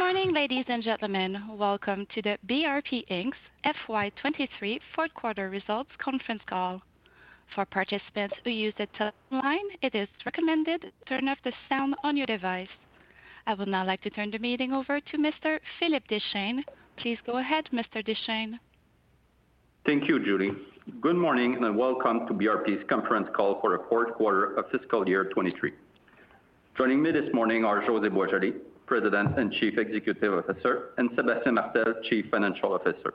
Good morning, ladies and gentlemen. Welcome to the BRP Inc.'s FY 2023 fourth quarter results conference call. For participants who use a telephone line, it is recommended turn off the sound on your device. I would now like to turn the meeting over to Mr. Philippe Deschênes. Please go ahead, Mr. Deschênes. Thank you, Julie. Good morning, and welcome to BRP's conference call for the fourth quarter of fiscal year 2023. Joining me this morning are José Boisjoli, President and Chief Executive Officer, and Sébastien Martel, Chief Financial Officer.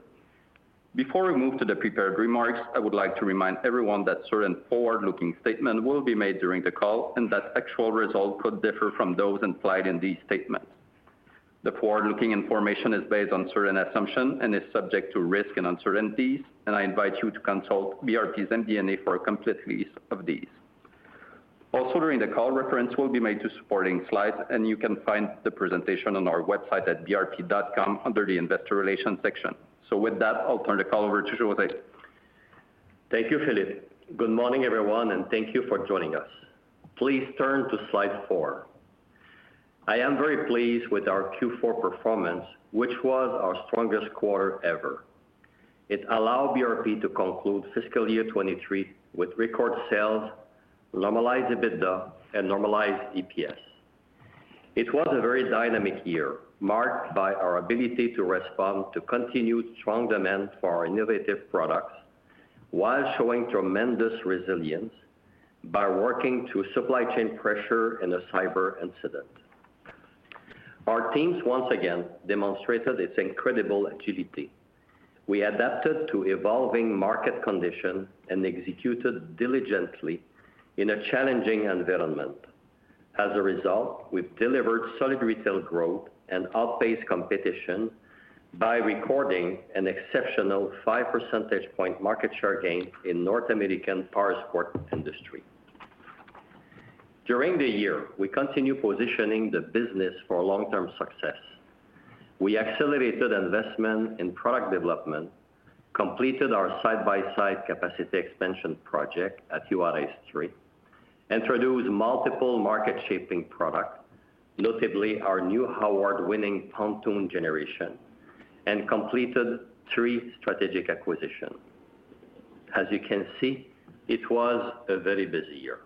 Before we move to the prepared remarks, I would like to remind everyone that certain forward-looking statements will be made during the call and that actual results could differ from those implied in these statements. The forward-looking information is based on certain assumptions and is subject to risks and uncertainties, and I invite you to consult BRP's MD&A for a complete list of these. Also, during the call, reference will be made to supporting slides, and you can find the presentation on our website at brp.com under the Investor Relations section. With that, I'll turn the call over to José. Thank you, Philippe. Good morning, everyone, and thank you for joining us. Please turn to slide four. I am very pleased with our Q4 performance, which was our strongest quarter ever. It allowed BRP to conclude fiscal year 2023 with record sales, normalized EBITDA, and normalized EPS. It was a very dynamic year, marked by our ability to respond to continued strong demand for our innovative products while showing tremendous resilience by working through supply chain pressure and a cyber incident. Our teams once again demonstrated its incredible agility. We adapted to evolving market conditions and executed diligently in a challenging environment. As a result, we've delivered solid retail growth and outpaced competition by recording an exceptional 5 percentage point market share gain in North American powersport industry. During the year, we continued positioning the business for long-term success. We accelerated investment in product development, completed our Side-by-Side capacity expansion project at Juárez III, introduced multiple market-shaping products, notably our new award-winning pontoon generation, and completed three strategic acquisitions. As you can see, it was a very busy year.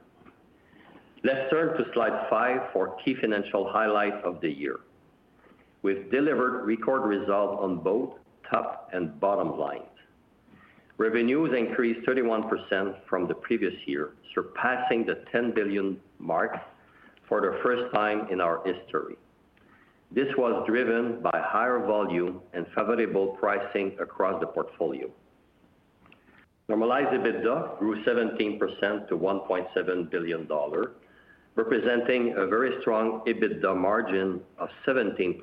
Let's turn to slide five for key financial highlights of the year. We've delivered record results on both top and bottom lines. Revenues increased 31% from the previous year, surpassing the 10 billion mark for the first time in our history. This was driven by higher volume and favorable pricing across the portfolio. Normalized EBITDA grew 17% to 1.7 billion dollars, representing a very strong EBITDA margin of 17%.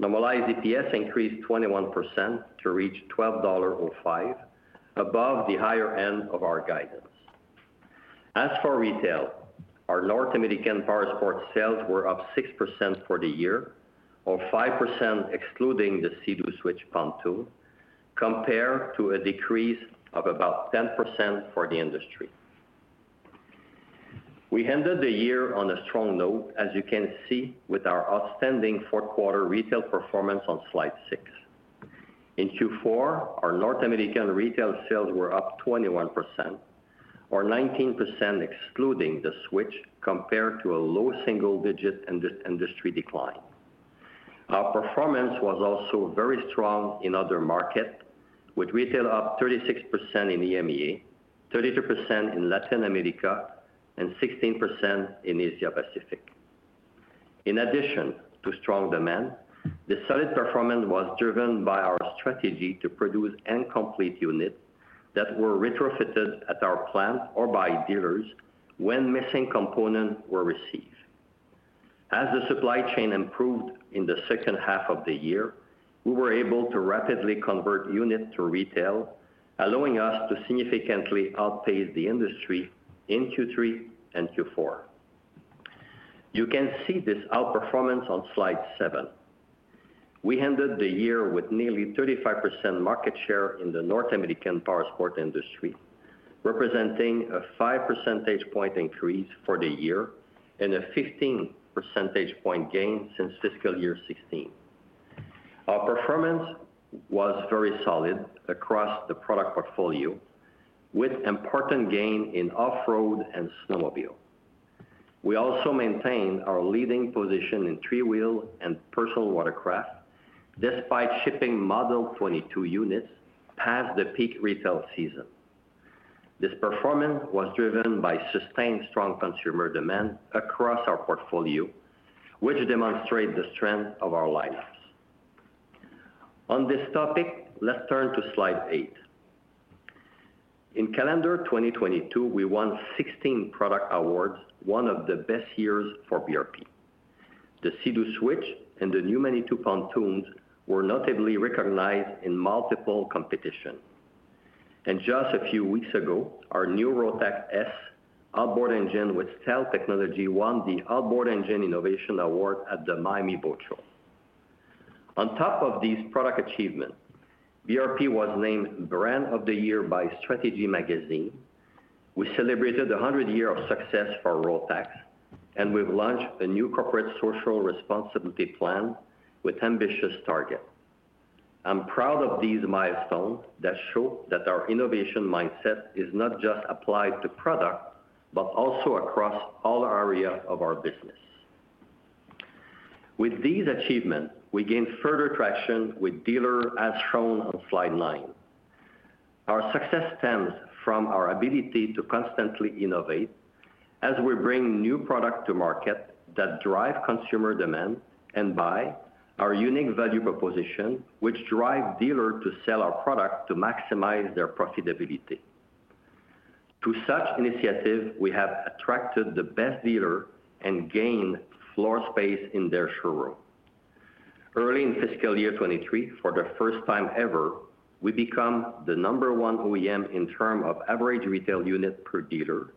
Normalized EPS increased 21% to reach 12.05 dollar, above the higher end of our guidance. For retail, our North American powersports sales were up 6% for the year or 5% excluding the Sea-Doo Switch Pontoon, compared to a decrease of about 10% for the industry. We ended the year on a strong note, as you can see with our outstanding fourth quarter retail performance on slide six. In Q4, our North American retail sales were up 21% or 19% excluding the Switch compared to a low single-digit industry decline. Our performance was also very strong in other markets, with retail up 36% in EMEA, 32% in Latin America, and 16% in Asia Pacific. In addition to strong demand, the solid performance was driven by our strategy to produce incomplete units that were retrofitted at our plant or by dealers when missing components were received. As the supply chain improved in the second half of the year, we were able to rapidly convert units to retail, allowing us to significantly outpace the industry in Q3 and Q4. You can see this outperformance on slide seven. We ended the year with nearly 35% market share in the North American powersports industry, representing a 5 percentage point increase for the year and a 15 percentage point gain since fiscal year 2016. Our performance was very solid across the product portfolio, with important gain in off-road and snowmobile. We also maintained our leading position in three-wheel and personal watercraft despite shipping model 22 units past the peak retail season. This performance was driven by sustained strong consumer demand across our portfolio, which demonstrate the strength of our lineups. On this topic, let's turn to slide eight. In calendar 2022, we won 16 product awards, one of the best years for BRP. The Sea-Doo Switch and the new Manitou pontoons were notably recognized in multiple competitions. Just a few weeks ago, our new Rotax S outboard engine with Stealth Technology won the Outboard Engine Innovation Award at the Miami Boat Show. On top of these product achievements, BRP was named Brand of the Year by Strategy Magazine. We celebrated a 100 year of success for Rotax, we've launched a new corporate social responsibility plan with ambitious target. I'm proud of these milestones that show that our innovation mindset is not just applied to product, but also across all areas of our business. With these achievements, we gain further traction with dealer as shown on slide nine. Our success stems from our ability to constantly innovate as we bring new product to market that drive consumer demand, and by our unique value proposition, which drive dealer to sell our product to maximize their profitability. To such initiative, we have attracted the best dealer and gained floor space in their showroom. Early in fiscal year 2023, for the first time ever, we become the number one OEM in term of average retail unit per dealer,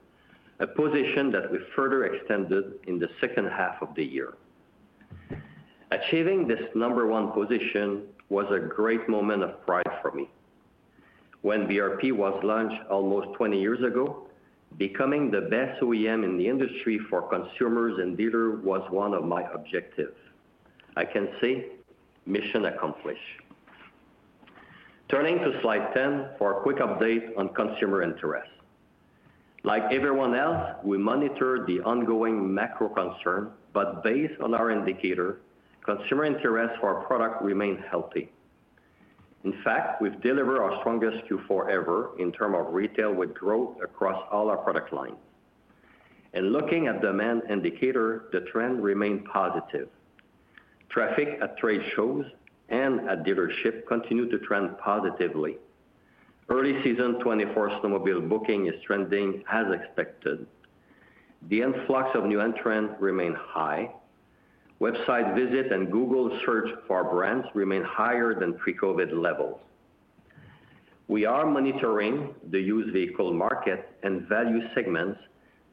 a position that we further extended in the second half of the year. Achieving this number one position was a great moment of pride for me. When BRP was launched almost 20 years ago, becoming the best OEM in the industry for consumers and dealer was one of my objectives. I can say mission accomplished. Turning to slide 10 for a quick update on consumer interest. Like everyone else, we monitor the ongoing macro concern based on our indicator, consumer interest for our product remains healthy. We've delivered our strongest Q4 ever in term of retail with growth across all our product lines. In looking at demand indicator, the trend remained positive. Traffic at trade shows and at dealership continue to trend positively. Early season 2024 snowmobile booking is trending as expected. The influx of new entrants remain high. Website visit and Google search for our brands remain higher than pre-COVID levels. We are monitoring the used vehicle market and value segments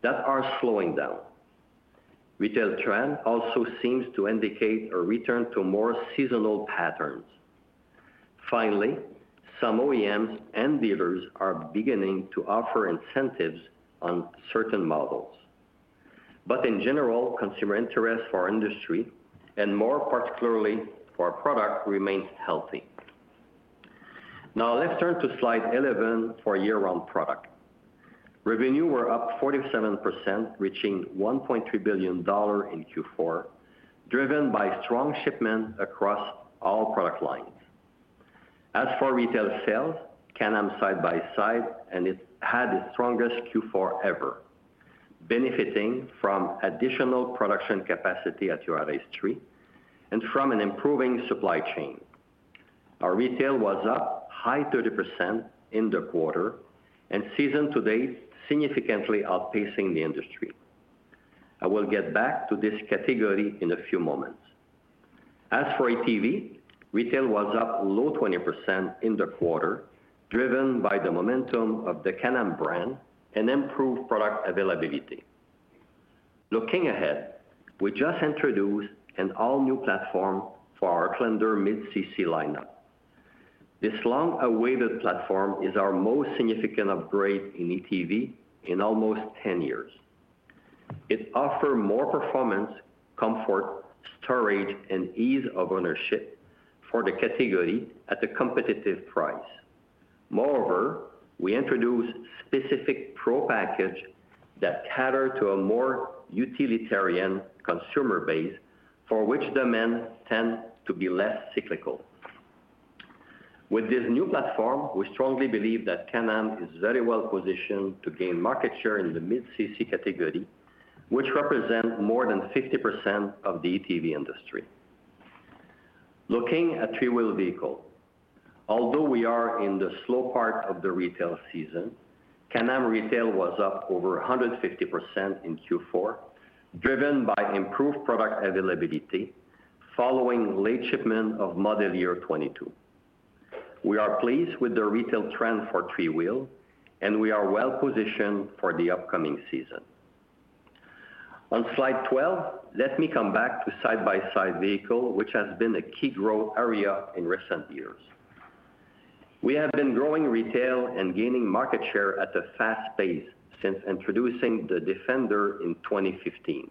that are slowing down. Retail trend also seems to indicate a return to more seasonal patterns. Some OEMs and dealers are beginning to offer incentives on certain models. In general, consumer interest for our industry and more particularly for our product remains healthy. Let's turn to slide 11 for year-round product. Revenue were up 47% reaching 1.3 billion dollar in Q4, driven by strong shipment across all product lines. Retail sales, Can-Am Side-by-Side and it had its strongest Q4 ever, benefiting from additional production capacity at Juárez III and from an improving supply chain. Our retail was up high 30% in the quarter and season to date, significantly outpacing the industry. I will get back to this category in a few moments. As for ATV, retail was up low 20% in the quarter, driven by the momentum of the Can-Am brand and improved product availability. Looking ahead, we just introduced an all-new platform for our Outlander mid-cc lineup. This long-awaited platform is our most significant upgrade in ATV in almost 10 years. It offer more performance, comfort, storage, and ease of ownership for the category at a competitive price. Moreover, we introduce specific pro package that cater to a more utilitarian consumer base for which demand tends to be less cyclical. With this new platform, we strongly believe that Can-Am is very well positioned to gain market share in the mid-cc category, which represent more than 50% of the ATV industry. Looking at three-wheel vehicle. Although we are in the slow part of the retail season, Can-Am retail was up over 150% in Q4, driven by improved product availability following late shipment of model year 2022. We are pleased with the retail trend for three-wheel, and we are well positioned for the upcoming season. On slide 12, let me come back to Side-by-Side vehicle, which has been a key growth area in recent years. We have been growing retail and gaining market share at a fast pace since introducing the Defender in 2015.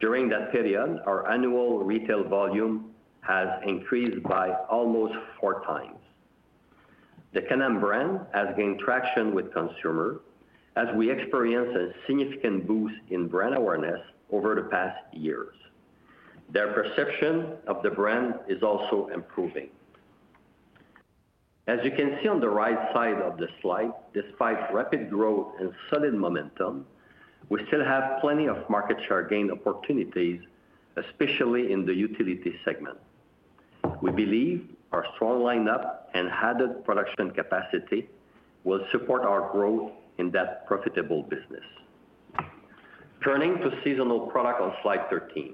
During that period, our annual retail volume has increased by almost four times. The Can-Am brand has gained traction with consumer as we experience a significant boost in brand awareness over the past years. Their perception of the brand is also improving. As you can see on the right side of the slide, despite rapid growth and solid momentum, we still have plenty of market share gain opportunities, especially in the utility segment. We believe our strong lineup and added production capacity will support our growth in that profitable business. Turning to seasonal product on slide 13.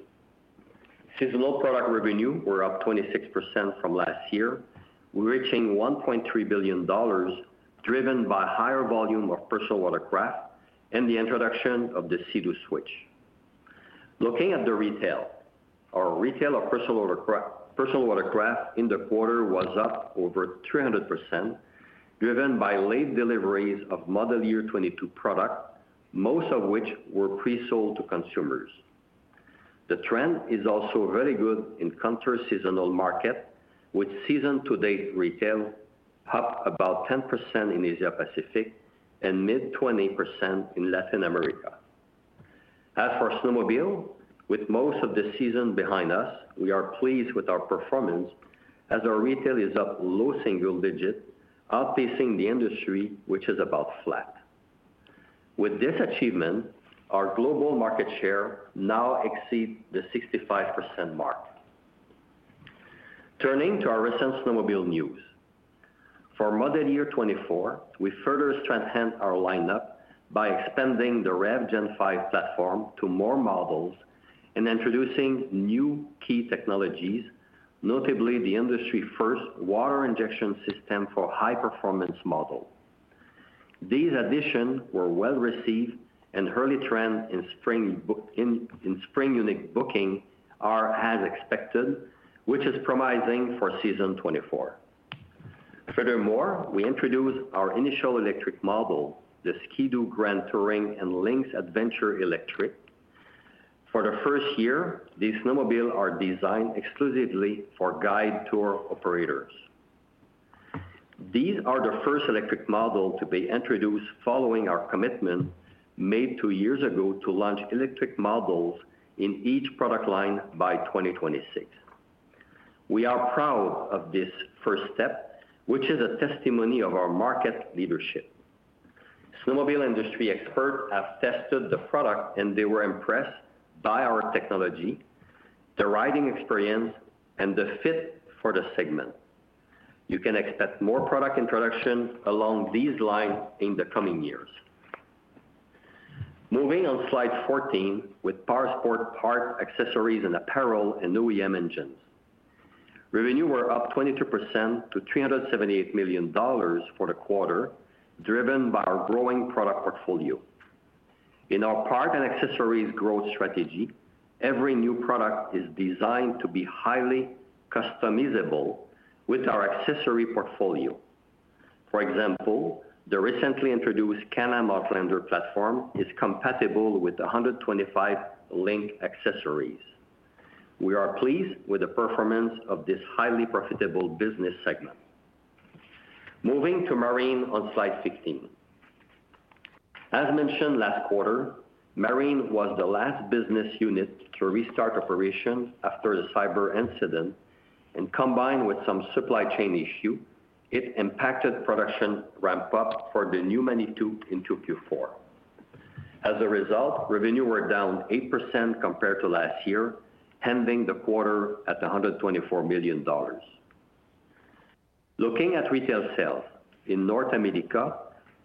Seasonal product revenue were up 26% from last year, reaching 1.3 billion dollars. Driven by higher volume of personal watercraft and the introduction of the Sea-Doo Switch. Looking at the retail. Our retail of personal watercraft in the quarter was up over 300% driven by late deliveries of model year 2022 product, most of which were pre-sold to consumers. The trend is also very good in counter-seasonal market, with season to date retail up about 10% in Asia Pacific and mid 20% in Latin America. As for snowmobile, with most of the season behind us, we are pleased with our performance as our retail is up low single digits, outpacing the industry, which is about flat. With this achievement, our global market share now exceeds the 65% mark. Turning to our recent snowmobile news. For model year 2024, we further strengthen our lineup by expanding the REV Gen5 platform to more models and introducing new key technologies, notably the industry first water injection system for high-performance model. These additions were well received and early trend in spring unit booking are as expected, which is promising for season 24. We introduced our initial electric model, the Ski-Doo Grand Touring and Lynx Adventure Electric. For the first year, these snowmobile are designed exclusively for guide tour operators. These are the first electric model to be introduced following our commitment made two years ago to launch electric models in each product line by 2026. We are proud of this first step, which is a testimony of our market leadership. Snowmobile industry experts have tested the product and they were impressed by our technology, the riding experience and the fit for the segment. You can expect more product introduction along these lines in the coming years. Moving on slide 14 with Powersport Parts, Accessories and Apparel and OEM engines. Revenue were up 22% to 378 million dollars for the quarter, driven by our growing product portfolio. In our parts and accessories growth strategy, every new product is designed to be highly customizable with our accessory portfolio. For example, the recently introduced Can-Am Outlander platform is compatible with 125 LinQ accessories. We are pleased with the performance of this highly profitable business segment. Moving to Marine on slide 16. As mentioned last quarter, Marine was the last business unit to restart operations after the cyber incident, and combined with some supply chain issue, it impacted production ramp up for the new Manitou into Q4. As a result, revenue were down 8% compared to last year, ending the quarter at 124 million dollars. Looking at retail sales. In North America,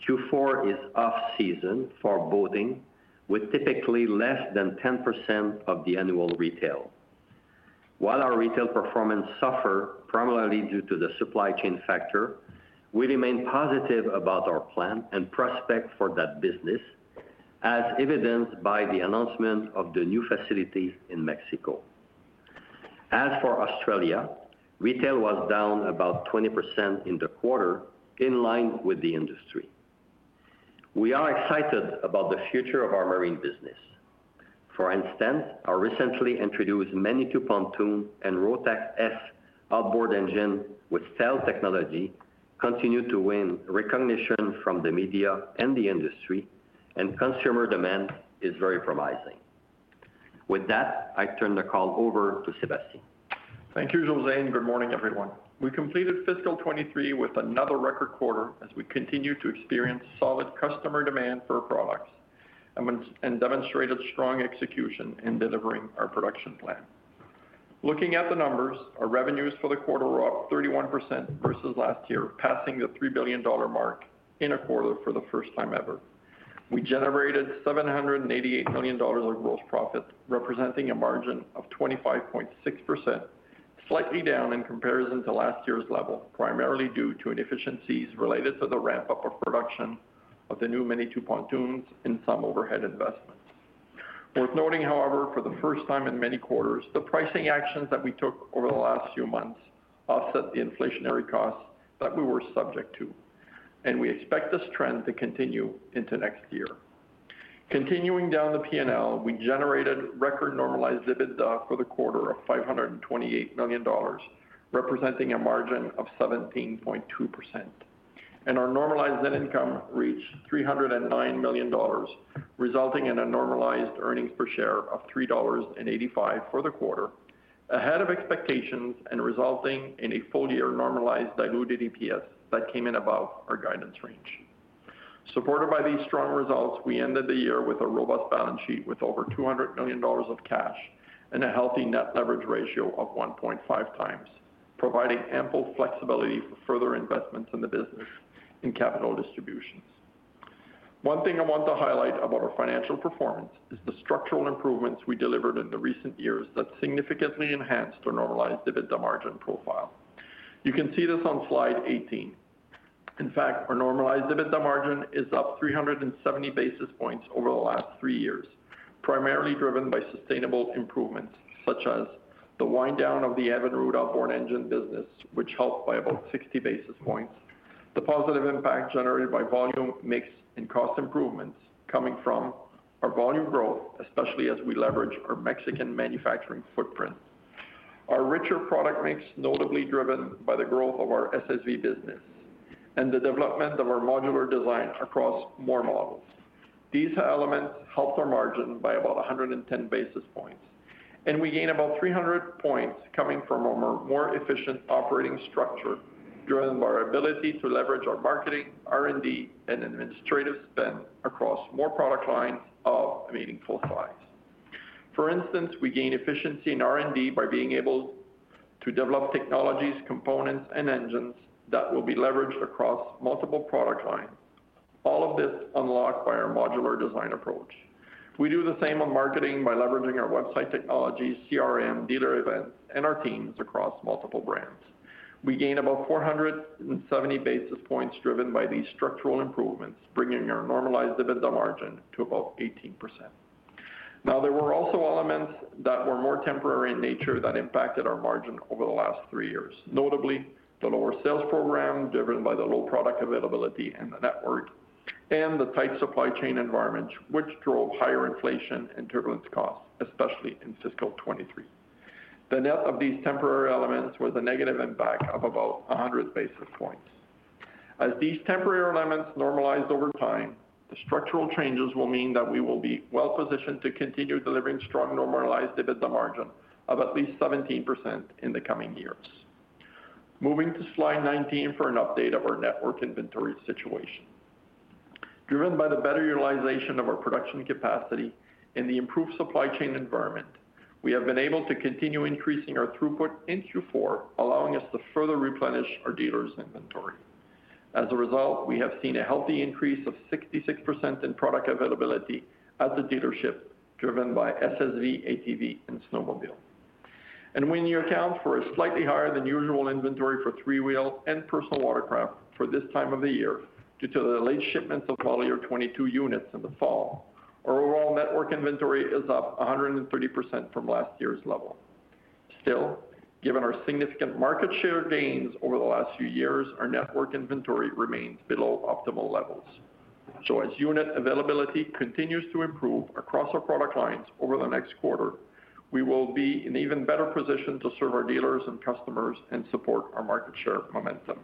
Q4 is off-season for boating, with typically less than 10% of the annual retail. While our retail performance suffer primarily due to the supply chain factor, we remain positive about our plan and prospect for that business, as evidenced by the announcement of the new facility in Mexico. As for Australia, retail was down about 20% in the quarter in line with the industry. We are excited about the future of our marine business. For instance, our recently introduced Manitou Pontoon and Rotax S outboard engine with stealth technology continue to win recognition from the media and the industry, consumer demand is very promising. With that, I turn the call over to Sébastien. Thank you, José. Good morning, everyone. We completed fiscal 2023 with another record quarter as we continue to experience solid customer demand for our products and demonstrated strong execution in delivering our production plan. Looking at the numbers, our revenues for the quarter were up 31% versus last year, passing the 3 billion dollar mark in a quarter for the first time ever. We generated 788 million dollars of gross profit, representing a margin of 25.6%, slightly down in comparison to last year's level, primarily due to inefficiencies related to the ramp-up of production of the new Manitou pontoons and some overhead investments. Worth noting, however, for the first time in many quarters, the pricing actions that we took over the last few months offset the inflationary costs that we were subject to. We expect this trend to continue into next year. Continuing down the P&L, we generated record normalized EBITDA for the quarter of 528 million dollars, representing a margin of 17.2%, and our normalized net income reached 309 million dollars, resulting in a normalized earnings per share of 3.85 dollars for the quarter, ahead of expectations and resulting in a full year normalized diluted EPS that came in above our guidance range. Supported by these strong results, we ended the year with a robust balance sheet with over 200 million dollars of cash and a healthy net leverage ratio of 1.5x, providing ample flexibility for further investments in the business and capital discipline. One thing I want to highlight about our financial performance is the structural improvements we delivered in the recent years that significantly enhanced our normalized EBITDA margin profile. You can see this on slide 18. In fact, our normalized EBITDA margin is up 370 basis points over the last three years, primarily driven by sustainable improvements such as the wind down of the Evinrude outboard engine business, which helped by about 60 basis points. The positive impact generated by volume mix and cost improvements coming from our volume growth, especially as we leverage our Mexican manufacturing footprint. Our richer product mix, notably driven by the growth of our SSV business and the development of our modular design across more models. These elements helped our margin by about 110 basis points, and we gain about 300 points coming from a more efficient operating structure driven by our ability to leverage our marketing, R&D and administrative spend across more product lines of a meaningful size. For instance, we gain efficiency in R&D by being able to develop technologies, components and engines that will be leveraged across multiple product lines. All of this unlocked by our modular design approach. We do the same on marketing by leveraging our website technology, CRM, dealer events, and our teams across multiple brands. We gain about 470 basis points driven by these structural improvements, bringing our normalized EBITDA margin to about 18%. There were also elements that were more temporary in nature that impacted our margin over the last three years. Notably, the lower sales program driven by the low product availability in the network and the tight supply chain environment, which drove higher inflation and turbulence costs, especially in fiscal 2023. The net of these temporary elements was a negative impact of about 100 basis points. As these temporary elements normalized over time, the structural changes will mean that we will be well positioned to continue delivering strong normalized EBITDA margin of at least 17% in the coming years. Moving to slide 19 for an update of our network inventory situation. Driven by the better utilization of our production capacity and the improved supply chain environment, we have been able to continue increasing our throughput in Q4, allowing us to further replenish our dealers inventory. As a result, we have seen a healthy increase of 66% in product availability at the dealership driven by SSV, ATV and snowmobile. When you account for a slightly higher than usual inventory for three-wheel and personal watercraft for this time of the year due to the late shipments of model year 22 units in the fall, our overall network inventory is up 130% from last year's level. Still, given our significant market share gains over the last few years, our network inventory remains below optimal levels. As unit availability continues to improve across our product lines over the next quarter, we will be in even better position to serve our dealers and customers and support our market share momentum.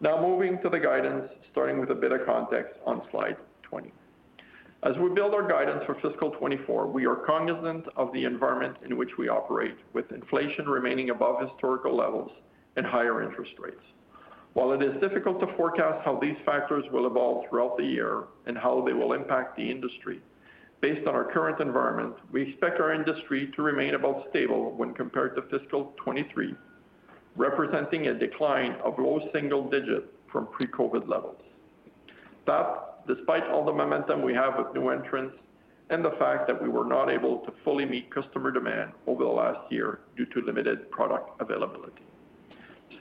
Moving to the guidance, starting with a bit of context on slide 20. As we build our guidance for fiscal 2024, we are cognizant of the environment in which we operate with inflation remaining above historical levels and higher interest rates. While it is difficult to forecast how these factors will evolve throughout the year and how they will impact the industry, based on our current environment, we expect our industry to remain about stable when compared to fiscal 2023, representing a decline of low single digits from pre-COVID levels. Despite all the momentum we have with new entrants and the fact that we were not able to fully meet customer demand over the last year due to limited product availability.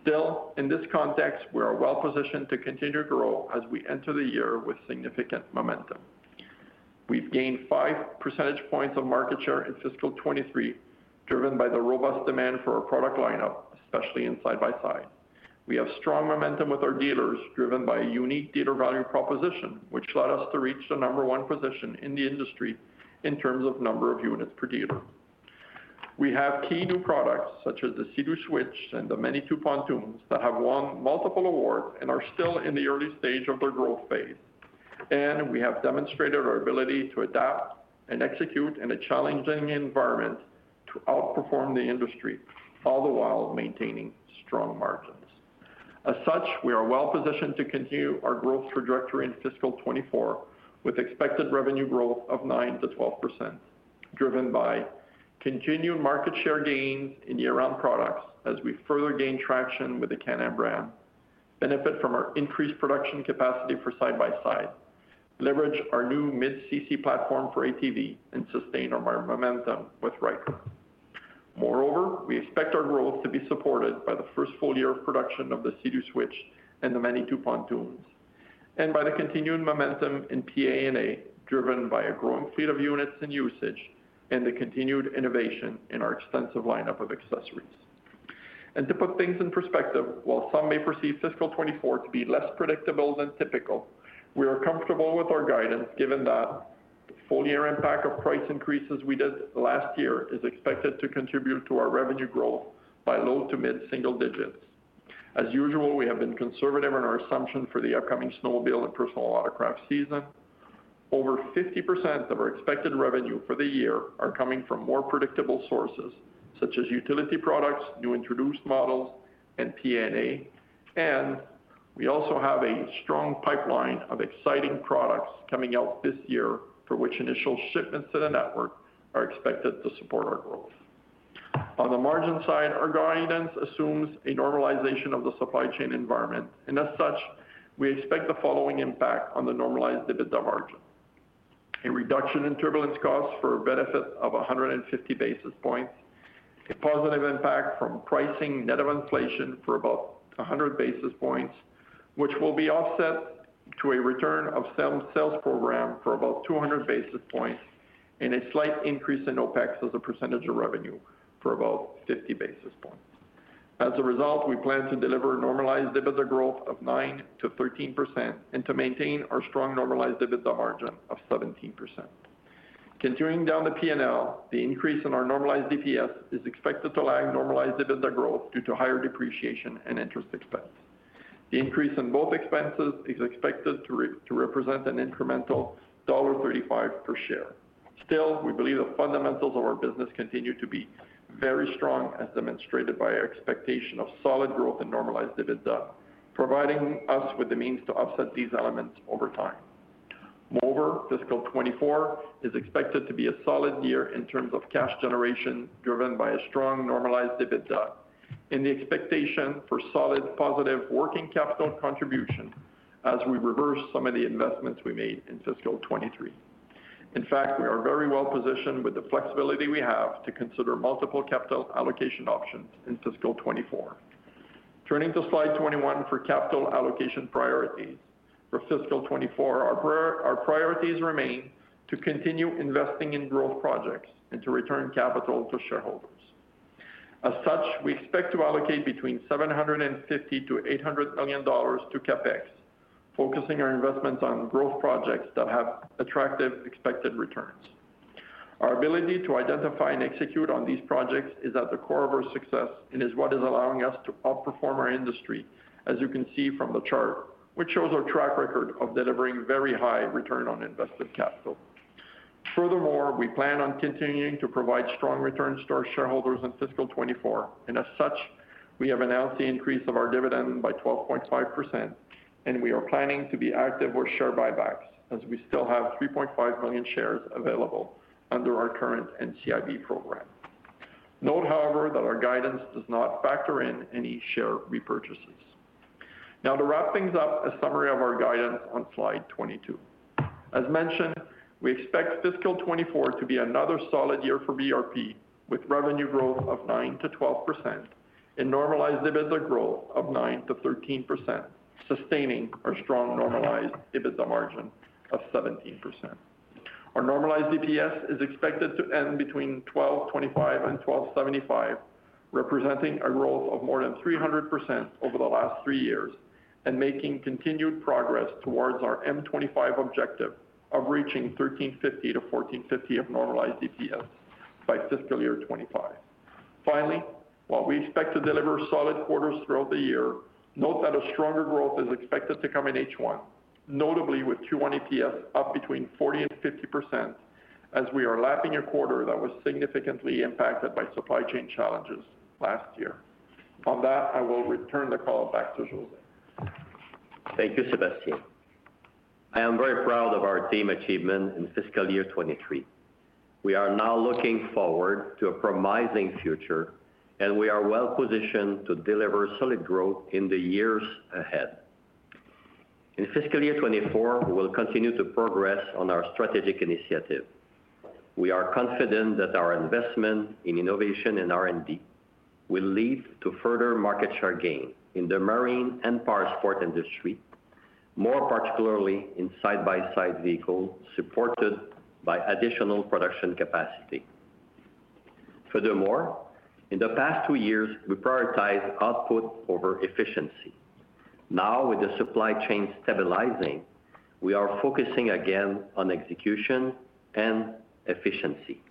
Still, in this context, we are well positioned to continue to grow as we enter the year with significant momentum. We've gained 5 percentage points of market share in fiscal 2023, driven by the robust demand for our product lineup, especially in Side-by-Side. We have strong momentum with our dealers, driven by a unique dealer value proposition, which led us to reach the number one position in the industry in terms of number of units per dealer. We have key new products such as the Sea-Doo Switch and the Manitou pontoons that have won multiple awards and are still in the early stage of their growth phase. We have demonstrated our ability to adapt and execute in a challenging environment to outperform the industry, all the while maintaining strong margins. As such, we are well positioned to continue our growth trajectory in fiscal 2024 with expected revenue growth of 9%-12%, driven by continued market share gains in year-round products as we further gain traction with the Can-Am, benefit from our increased production capacity for Side-by-Side, leverage our new mid-cc platform for ATV and sustain our momentum with Ryker. We expect our growth to be supported by the first full year of production of the Sea-Doo Switch and the Manitou pontoons, and by the continuing momentum in PA&A, driven by a growing fleet of units and usage and the continued innovation in our extensive lineup of accessories. To put things in perspective, while some may perceive fiscal 2024 to be less predictable than typical, we are comfortable with our guidance given that the full year impact of price increases we did last year is expected to contribute to our revenue growth by low-to-mid single digits. As usual, we have been conservative in our assumption for the upcoming snowmobile and personal watercraft season. Over 50% of our expected revenue for the year are coming from more predictable sources such as utility products, new introduced models, and P&A. We also have a strong pipeline of exciting products coming out this year for which initial shipments to the network are expected to support our growth. On the margin side, our guidance assumes a normalization of the supply chain environment. As such, we expect the following impact on the normalized EBITDA margin. A reduction in turbulence costs for a benefit of 150 basis points. A positive impact from pricing net of inflation for about 100 basis points, which will be offset to a return of sales program for about 200 basis points and a slight increase in OpEx as a percentage of revenue for about 50 basis points. As a result, we plan to deliver normalized EBITDA growth of 9%-13% and to maintain our strong normalized EBITDA margin of 17%. Continuing down the P&L, the increase in our normalized EPS is expected to lag normalized EBITDA growth due to higher depreciation and interest expense. The increase in both expenses is expected to represent an incremental CAD 1.35 per share. Still, we believe the fundamentals of our business continue to be very strong, as demonstrated by our expectation of solid growth in normalized EBITDA, providing us with the means to offset these elements over time. Moreover, fiscal 2024 is expected to be a solid year in terms of cash generation, driven by a strong normalized EBITDA and the expectation for solid positive working capital contribution as we reverse some of the investments we made in fiscal 2023. In fact, we are very well positioned with the flexibility we have to consider multiple capital allocation options in fiscal 2024. Turning to slide 21 for capital allocation priorities. For fiscal 2024, our priorities remain to continue investing in growth projects and to return capital to shareholders. As such, we expect to allocate between 750 million-800 million dollars to CapEx, focusing our investments on growth projects that have attractive expected returns. Our ability to identify and execute on these projects is at the core of our success and is what is allowing us to outperform our industry, as you can see from the chart, which shows our track record of delivering very high return on invested capital. Furthermore, we plan on continuing to provide strong returns to our shareholders in fiscal 2024, and as such, we have announced the increase of our dividend by 12.5%, and we are planning to be active with share buybacks as we still have 3.5 million shares available under our current NCIB program. Note, however, that our guidance does not factor in any share repurchases. Now to wrap things up, a summary of our guidance on slide 22. As mentioned, we expect fiscal 2024 to be another solid year for BRP, with revenue growth of 9%-12% and normalized EBITDA growth of 9%-13%, sustaining our strong normalized EBITDA margin of 17%. Our normalized EPS is expected to end between 12.25 and 12.75, representing a growth of more than 300% over the last three years and making continued progress towards our M25 objective of reaching 13.50-14.50 of normalized EPS by fiscal year 2025. Finally, while we expect to deliver solid quarters throughout the year, note that a stronger growth is expected to come in H1, notably with Q1 EPS up between 40% and 50% as we are lapping a quarter that was significantly impacted by supply chain challenges last year. On that, I will return the call back to José. Thank you, Sébastien. I am very proud of our team achievement in fiscal year 2023. We are now looking forward to a promising future, and we are well positioned to deliver solid growth in the years ahead. In fiscal year 2024, we will continue to progress on our strategic initiative. We are confident that our investment in innovation and R&D will lead to further market share gain in the marine and powersport industry, more particularly in Side-by-Side vehicles supported by additional production capacity. Furthermore, in the past two years, we prioritized output over efficiency. With the supply chain stabilizing, we are focusing again on execution and efficiency.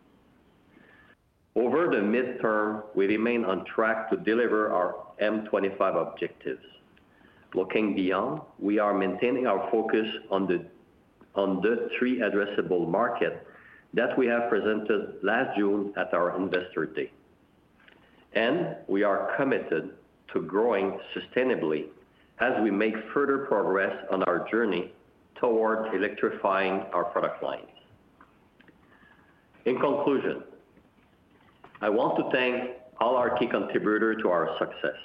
Over the midterm, we remain on track to deliver our M25 objectives. Looking beyond, we are maintaining our focus on the three addressable market that we have presented last June at our Investor Day. We are committed to growing sustainably as we make further progress on our journey towards electrifying our product lines. In conclusion, I want to thank all our key contributors to our success.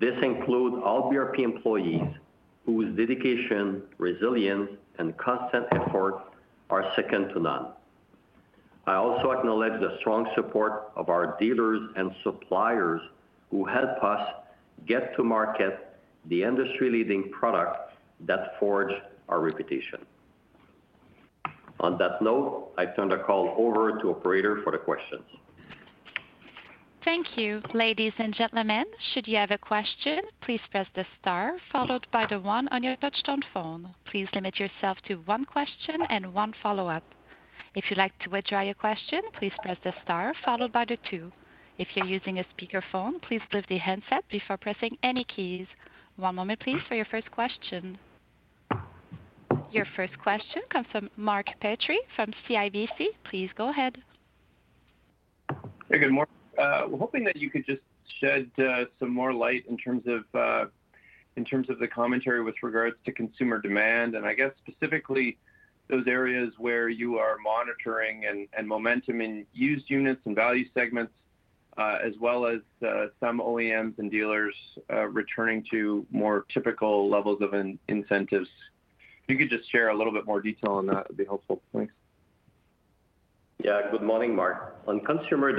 This includes all BRP employees whose dedication, resilience, and constant effort are second to none. I also acknowledge the strong support of our dealers and suppliers who help us get to market the industry-leading products that forge our reputation. On that note, I turn the call over to operator for the questions. Thank you. Ladies and gentlemen, should you have a question, please press the star followed by the one on your touchtone phone. Please limit yourself to one question and one follow-up. If you'd like to withdraw your question, please press the star followed by the two. If you're using a speakerphone, please lift the handset before pressing any keys. One moment please for your first question. Your first question comes from Mark Petrie from CIBC. Please go ahead. Hey, good morning. hoping that you could just shed, some more light in terms of. In terms of the commentary with regards to consumer demand, and I guess specifically those areas where you are monitoring and momentum in used units and value segments, as well as some OEMs and dealers returning to more typical levels of in-incentives. If you could just share a little bit more detail on that, it'd be helpful, please. Good morning, Mark. On consumer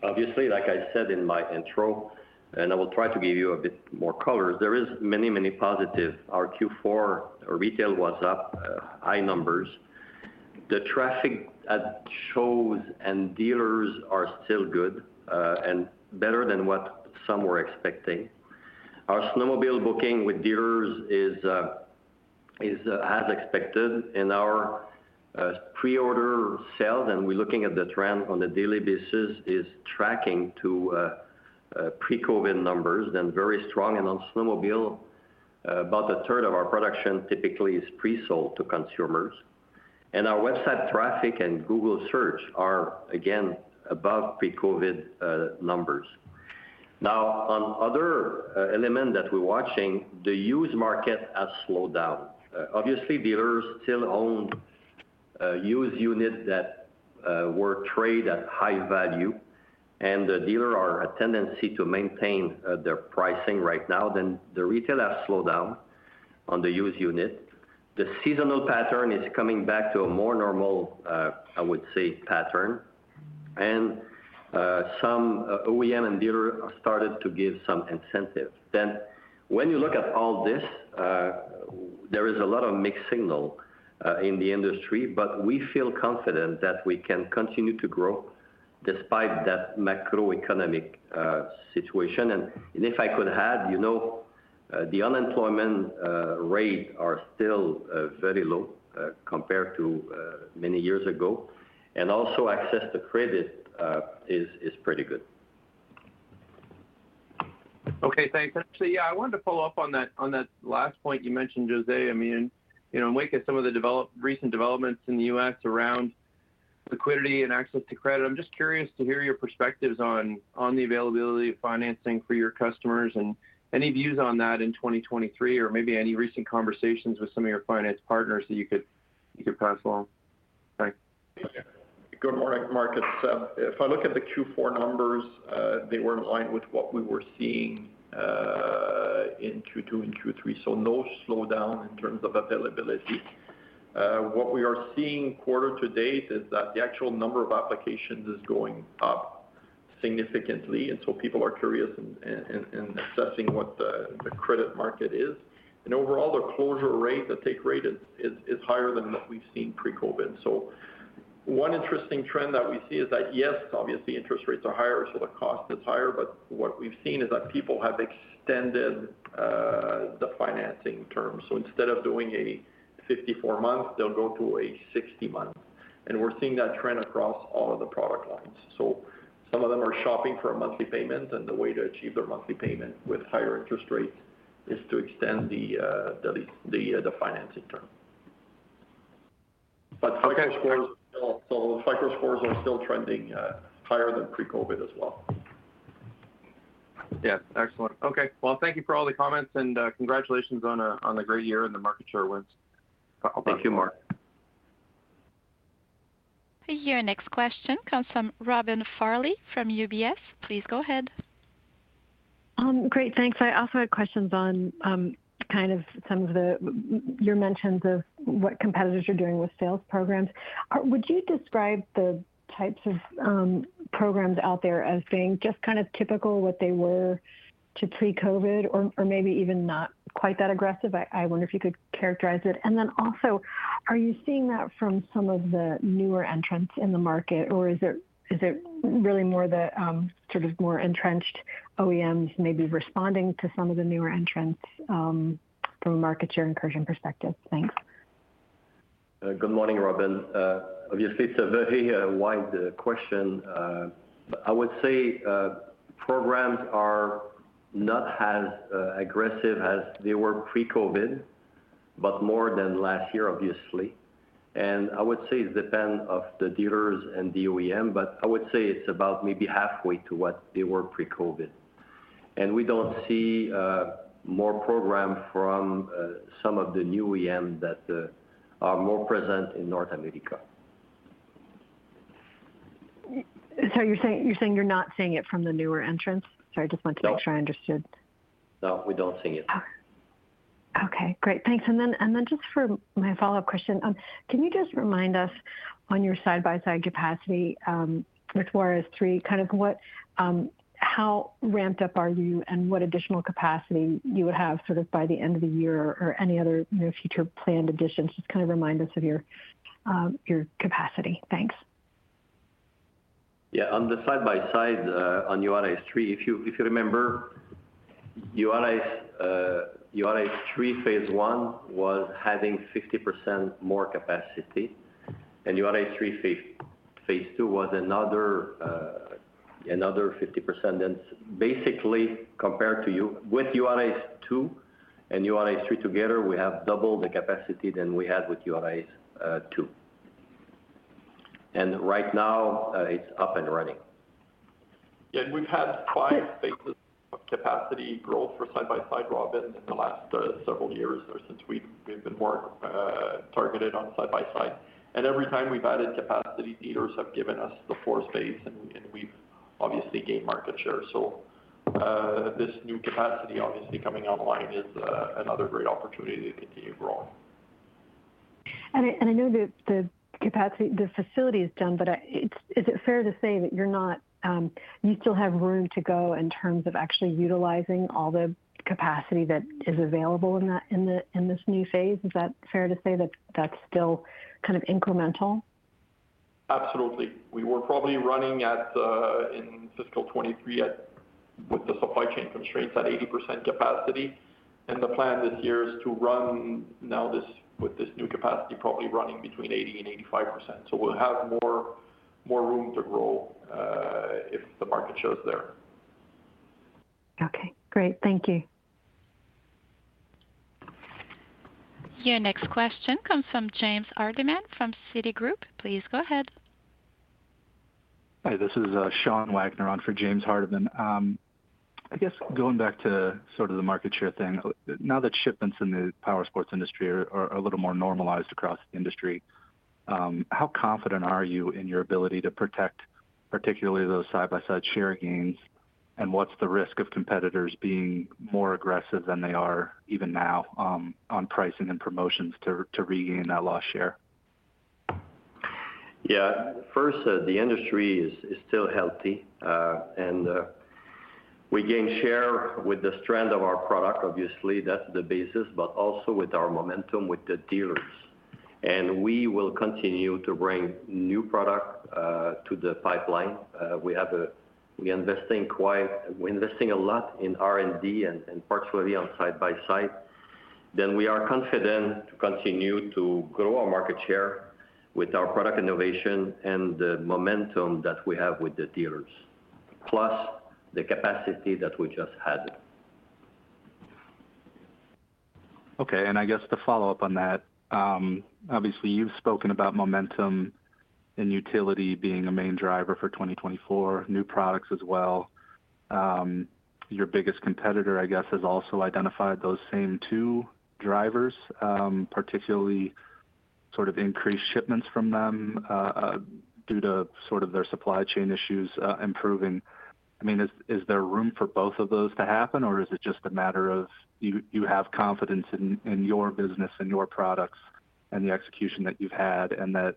demand, obviously, like I said in my intro, and I will try to give you a bit more color. There is many, many positive. Our Q4 retail was up, high numbers. The traffic at shows and dealers are still good, and better than what some were expecting. Our snowmobile booking with dealers is as expected. Our preorder sales, and we're looking at the trend on a daily basis, is tracking to pre-COVID numbers, then very strong. On snowmobile, about a third of our production typically is pre-sold to consumers. Our website traffic and Google search are, again, above pre-COVID numbers. Now, on other element that we're watching, the used market has slowed down. Uh, obviously dealers still own, uh, used unit that, uh, were trade at high value, and the dealer are a tendency to maintain, uh, their pricing right now than the retail has slowed down on the used unit. The seasonal pattern is coming back to a more normal, uh, I would say, pattern. And, uh, some OEM and dealer started to give some incentive. Then when you look at all this, uh, there is a lot of mixed signal, uh, in the industry, but we feel confident that we can continue to grow despite that macroeconomic, uh, situation. And if I could add, you know, uh, the unemployment, uh, rate are still, uh, very low, uh, compared to, uh, many years ago. And also access to credit, uh, is, is pretty good. Okay. Thanks. Actually, yeah, I wanted to follow up on that, on that last point you mentioned, José. I mean, you know, in wake of some of the recent developments in the U.S. around liquidity and access to credit, I'm just curious to hear your perspectives on the availability of financing for your customers and any views on that in 2023 or maybe any recent conversations with some of your finance partners that you could pass along. Thanks. Good morning, Mark. If I look at the Q4 numbers, they were in line with what we were seeing in Q2 and Q3. No slowdown in terms of availability. What we are seeing quarter to date is that the actual number of applications is going up significantly. People are curious and assessing what the credit market is. Overall, the closure rate, the take rate is higher than what we've seen pre-COVID. One interesting trend that we see is that, yes, obviously interest rates are higher, so the cost is higher. What we've seen is that people have extended the financing terms. Instead of doing a 54 months, they'll go to a 60 months. We're seeing that trend across all of the product lines. Some of them are shopping for a monthly payment, and the way to achieve their monthly payment with higher interest rates is to extend the financing term. FICO scores are still trending, higher than pre-COVID as well. Yeah. Excellent. Okay. Well, thank you for all the comments, and congratulations on a great year and the market share wins. Thank you, Mark. Your next question comes from Robin Farley from UBS. Please go ahead. Great. Thanks. I also had questions on your mentions of what competitors are doing with sales programs. Would you describe the types of programs out there as being just typical what they were to pre-COVID or maybe even not quite that aggressive? I wonder if you could characterize it. Also, are you seeing that from some of the newer entrants in the market, or is it really more the sort of more entrenched OEMs maybe responding to some of the newer entrants from a market share incursion perspective? Thanks. Good morning, Robin. Obviously it's a very wide question. I would say programs are not as aggressive as they were pre-COVID, but more than last year, obviously. I would say it depend of the dealers and the OEM, but I would say it's about maybe halfway to what they were pre-COVID. We don't see more program from some of the new OEM that are more present in North America. You're saying you're not seeing it from the newer entrants? Sorry, I just wanted to make sure I understood. No, we don't see it. Okay, great. Thanks. Just for my follow-up question, can you just remind us on your Side-by-Side capacity, with Juárez III, kind of what, how ramped up are you and what additional capacity you would have sort of by the end of the year or any other, you know, future planned additions? Just kind of remind us of your capacity. Thanks. Yeah. On the Side-by-Side, on Juárez III, if you, if you remember, Juárez III phase l was having 50% more capacity, and Juárez III phase ll was another 50%. Basically, compared to with Juárez II and Juárez III together, we have double the capacity than we had with Juárez II. Right now, it's up and running. Yeah, we've had five phases of capacity growth for side-by-side, Robin, in the last several years or since we've been more targeted on side-by-side. Every time we've added capacity, dealers have given us the floor space, and we've obviously gained market share. This new capacity obviously coming online is another great opportunity to continue growing. I, and I know the facility is done, but is it fair to say that you're not, you still have room to go in terms of actually utilizing all the capacity that is available in that, in the, in this new phase? Is that fair to say that that's still kind of incremental? Absolutely. We were probably running at, in fiscal 2023 at, with the supply chain constraints, at 80% capacity. The plan this year is to run now this, with this new capacity, probably running between 80% and 85%. We'll have more, more room to grow, if the market share is there. Okay, great. Thank you. Your next question comes from James Hardiman from Citigroup. Please go ahead. Hi, this is Sean Wagner on for James Hardiman. I guess going back to sort of the market share thing, now that shipments in the powersports industry are a little more normalized across the industry, how confident are you in your ability to protect particularly those side-by-side share gains? What's the risk of competitors being more aggressive than they are even now, on pricing and promotions to regain that lost share? Yeah. First, the industry is still healthy, and we gain share with the strength of our product. Obviously, that's the basis, but also with our momentum with the dealers. We will continue to bring new product to the pipeline. We're investing a lot in R&D and particularly on Side-by-Side. We are confident to continue to grow our market share with our product innovation and the momentum that we have with the dealers, plus the capacity that we just added. Okay. I guess to follow up on that, obviously you've spoken about momentum and utility being a main driver for 2024, new products as well. Your biggest competitor, I guess, has also identified those same two drivers, particularly sort of increased shipments from them, due to sort of their supply chain issues, improving. I mean, is there room for both of those to happen, or is it just a matter of you have confidence in your business and your products and the execution that you've had and that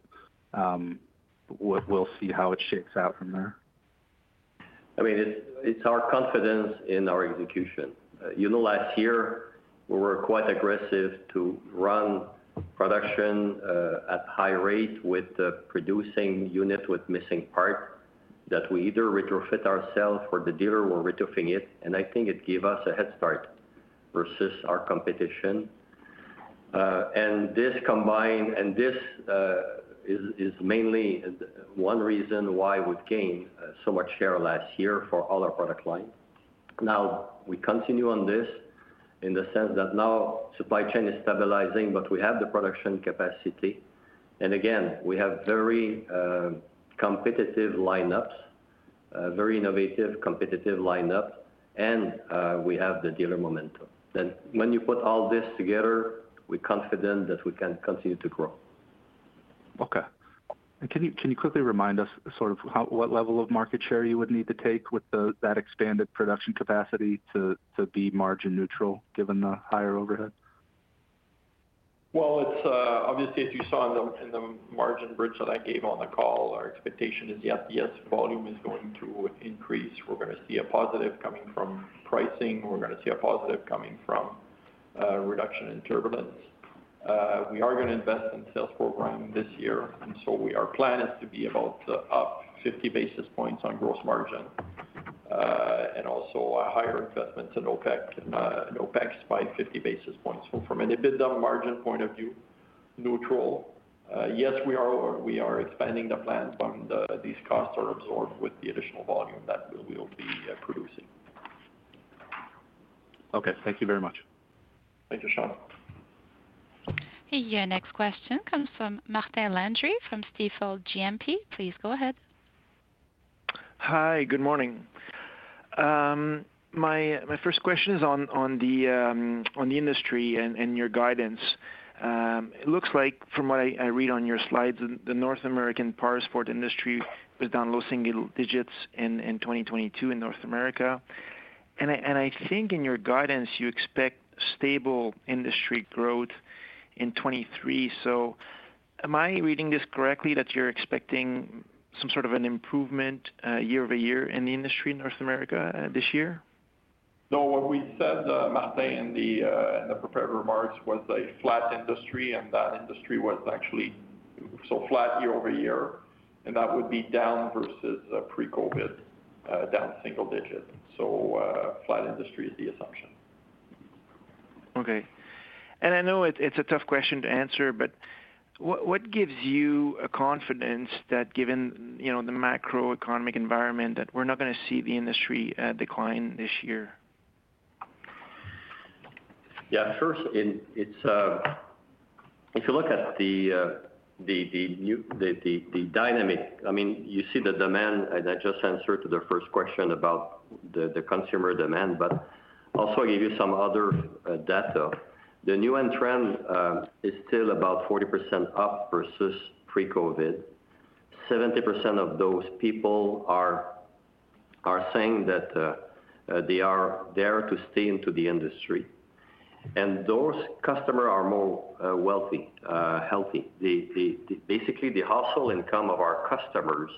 we'll see how it shakes out from there? I mean, it's our confidence in our execution. You know, last year, we were quite aggressive to run production at high rate with the producing unit with missing parts that we either retrofit ourselves or the dealer will retrofitting it. I think it gave us a head start versus our competition. This is mainly one reason why we've gained so much share last year for all our product lines. We continue on this in the sense that now supply chain is stabilizing, but we have the production capacity. Again, we have very competitive lineups, very innovative, competitive lineups. We have the dealer momentum. When you put all this together, we're confident that we can continue to grow. Okay. Can you quickly remind us sort of what level of market share you would need to take with that expanded production capacity to be margin neutral given the higher overhead? Well, it's obviously, if you saw in the margin bridge that I gave on the call, our expectation is, yes, volume is going to increase. We're gonna see a positive coming from pricing. We're gonna see a positive coming from reduction in turbulence. We are gonna invest in sales program this year, plan is to be about up 50 basis points on gross margin, and also a higher investment in OpEx and in OpEx by 50 basis points. From an EBITDA margin point of view, neutral. Yes, we are expanding the plans, but these costs are absorbed with the additional volume that we'll be producing. Okay. Thank you very much. Thank you, Sean. Your next question comes from Martin Landry from Stifel GMP. Please go ahead. Hi. Good morning. My first question is on the industry and your guidance. It looks like from what I read on your slides, the North American powersport industry was down low single digits in 2022 in North America. I think in your guidance, you expect stable industry growth in 2023. Am I reading this correctly that you're expecting some sort of an improvement, year-over-year in the industry in North America, this year? No. What we said, Martin, in the prepared remarks was a flat industry. That industry was actually so flat year-over-year. That would be down versus pre-COVID, down single digits. Flat industry is the assumption. Okay. I know it's a tough question to answer, but what gives you a confidence that given, you know, the macroeconomic environment, that we're not gonna see the industry decline this year? Yeah. First, if you look at the dynamic, I mean, you see the demand, and I just answered to the first question about the consumer demand, but also give you some other data. The new end trend is still about 40% up versus pre-COVID. 70% of those people are saying that they are there to stay into the industry, and those customer are more wealthy, healthy. Basically, the household income of our customers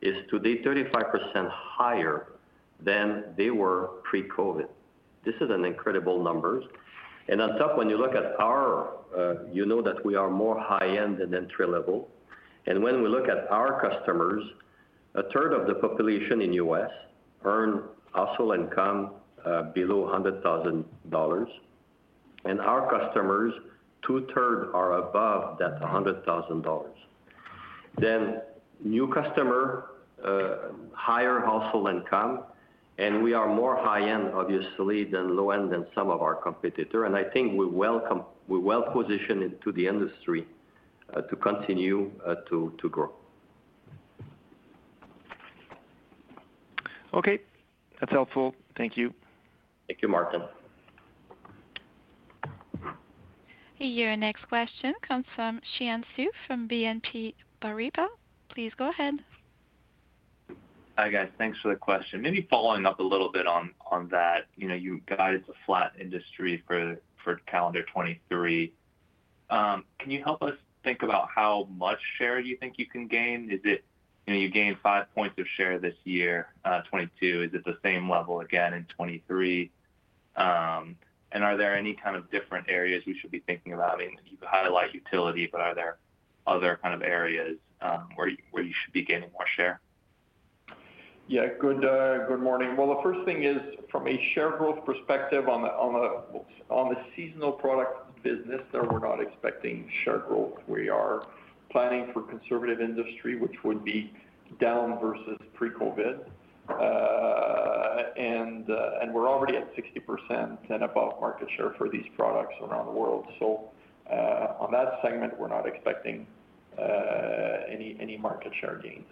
is today 35% higher than they were pre-COVID. This is an incredible numbers. On top, when you look at our, you know that we are more high-end than entry-level. When we look at our customers, a third of the population in U.S. earn household income below $100,000. Our customers, 2/3 are above that $100,000. New customer, higher household income, and we are more high-end obviously than low-end than some of our competitor. I think we're well-positioned into the industry, to continue to grow. Okay. That's helpful. Thank you. Thank you, Martin. Your next question comes from Xian Siew from BNP Paribas. Please go ahead. Hi, guys. Thanks for the question. Maybe following up a little bit on that. You guys are a flat industry for calendar 2023. Can you help us think about how much share you think you can gain? Is it, you gained five points of share this year, 2022. Is it the same level again in 2023? Are there any kind of different areas we should be thinking about? I mean, you highlight utility, but are there other kind of areas, where you should be gaining more share? Good, good morning. The first thing is from a share growth perspective on the seasonal product business, though we're not expecting share growth. We are planning for conservative industry, which would be down versus pre-COVID. We're already at 60% and above market share for these products around the world. On that segment, we're not expecting any market share gains.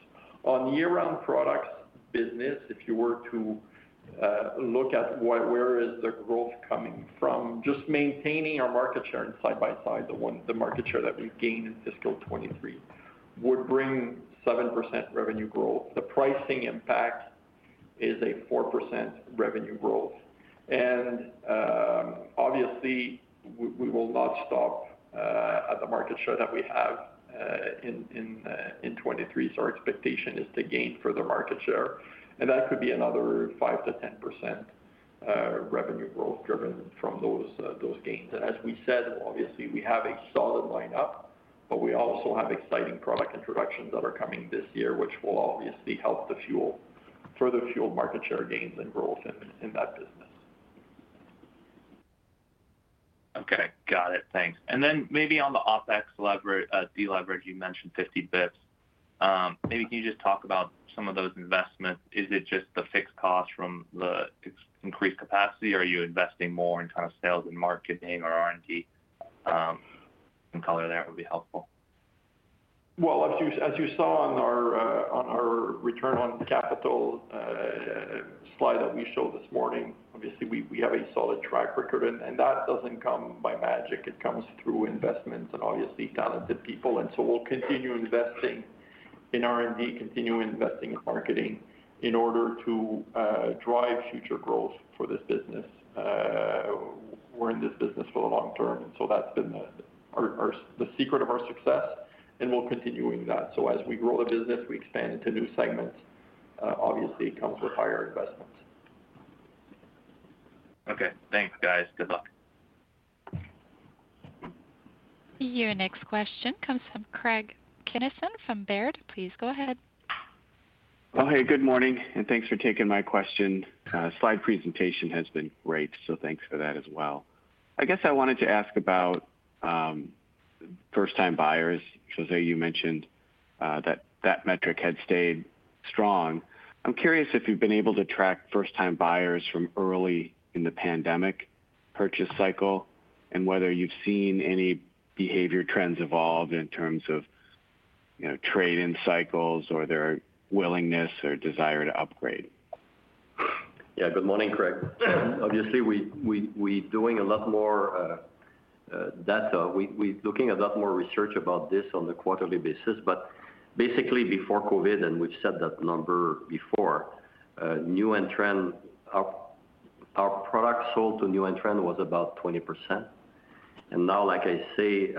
On year-round products business, if you were to look at where is the growth coming from, just maintaining our market share and Side-by-Side, the market share that we've gained in fiscal 2023, would bring 7% revenue growth. The pricing impact is a 4% revenue growth. Obviously, we will not stop at the market share that we have in 2023. Our expectation is to gain further market share, and that could be another 5%-10% revenue growth driven from those those gains. As we said, obviously, we have a solid lineup, but we also have exciting product introductions that are coming this year, which will obviously help further fuel market share gains and growth in that business. Okay. Got it. Thanks. Then maybe on the OpEx deleverage, you mentioned 50 basis points. Maybe can you just talk about some of those investments? Is it just the fixed costs from the increased capacity, or are you investing more in kind of sales and marketing or R&D? Some color there would be helpful. Well, as you saw on our on our return on capital slide that we showed this morning, obviously we have a solid track record, and that doesn't come by magic. It comes through investments and obviously talented people. We'll continue investing in R&D, continue investing in marketing in order to drive future growth for this business. We're in this business for the long term, and that's been the secret of our success, and we're continuing that. As we grow the business, we expand into new segments, obviously it comes with higher investments. Okay. Thanks, guys. Good luck. Your next question comes from Craig Kennison from Baird. Please go ahead. Hey, good morning, thanks for taking my question. Slide presentation has been great, thanks for that as well. I guess I wanted to ask about first-time buyers. José, you mentioned that that metric had stayed strong. I'm curious if you've been able to track first-time buyers from early in the pandemic purchase cycle and whether you've seen any behavior trends evolve in terms of, you know, trade-in cycles or their willingness or desire to upgrade. Yeah. Good morning, Craig. Obviously, we're doing a lot more data. We're looking a lot more research about this on the quarterly basis. Basically before COVID, and we've said that number before, new end trend, our product sold to new end trend was about 20%. Now, like I say,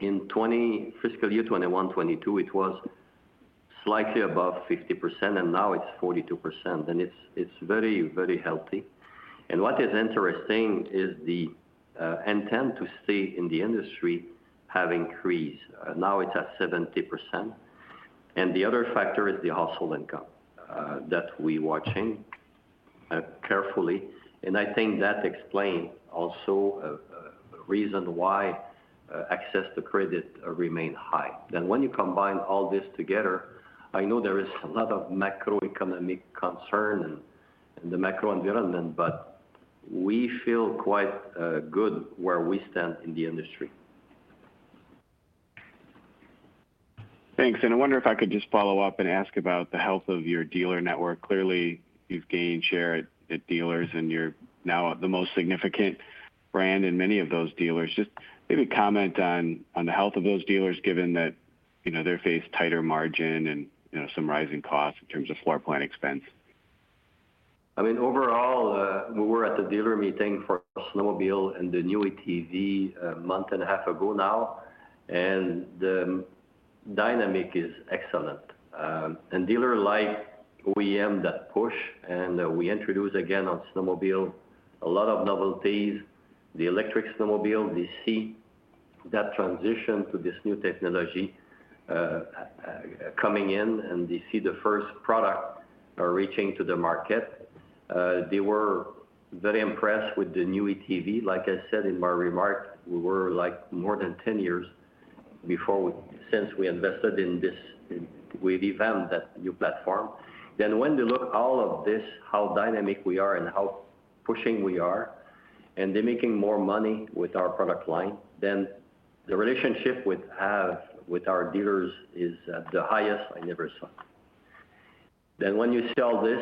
in fiscal year 2021, 2022, it was slightly above 50%, and now it's 42%, and it's very, very healthy. What is interesting is the intent to stay in the industry have increased. Now it's at 70%. The other factor is the household income that we're watching carefully. I think that explain also Reason why access to credit remain high. When you combine all this together, I know there is a lot of macroeconomic concern and the macro environment, but we feel quite good where we stand in the industry. Thanks. I wonder if I could just follow up and ask about the health of your dealer network. Clearly you've gained share at dealers, and you're now the most significant brand in many of those dealers. Just maybe comment on the health of those dealers, given that, you know, they face tighter margin and, you know, some rising costs in terms of floor plan expense. I mean, overall, we were at the dealer meeting for snowmobile and the new ATV a month and a half ago now. The dynamic is excellent. Dealer like OEM that push, we introduce again on snowmobile a lot of novelties, the electric snowmobile. We see that transition to this new technology coming in. We see the first product reaching to the market. They were very impressed with the new ATV. Like I said in my remark, we were like more than 10 years since we invested in this. We've revamped that new platform. When they look all of this, how dynamic we are and how pushing we are, they're making more money with our product line. The relationship we have with our dealers is at the highest I never saw. When you sell this,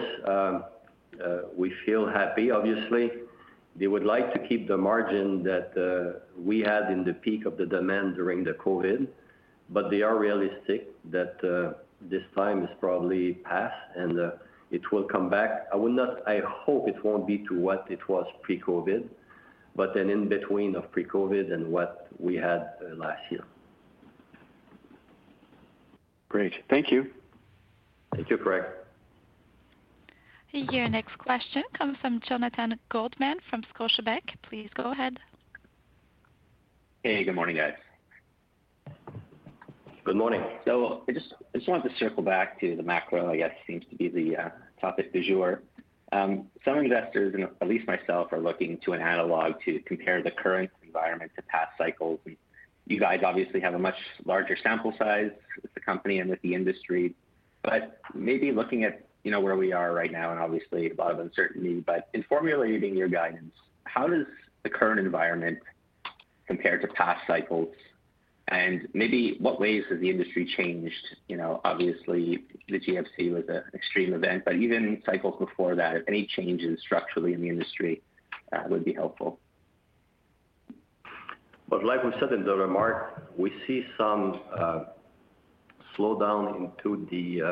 we feel happy obviously. They would like to keep the margin that we had in the peak of the demand during the COVID. They are realistic that this time is probably passed and it will come back. I hope it won't be to what it was pre-COVID, but an in-between of pre-COVID and what we had last year. Great. Thank you. Thank you, Craig. Your next question comes from Jonathan Goldman from Scotiabank. Please go ahead. Hey, good morning, guys. Good morning. I just wanted to circle back to the macro, I guess, seems to be the topic du jour. Some investors and at least myself, are looking to an analog to compare the current environment to past cycles. You guys obviously have a much larger sample size with the company and with the industry. Maybe looking at, you know, where we are right now and obviously a lot of uncertainty, but in formulating your guidance, how does the current environment compare to past cycles? Maybe what ways has the industry changed? You know, obviously the GFC was an extreme event, but even cycles before that, any changes structurally in the industry would be helpful. Like we said in the remark, we see some slowdown into the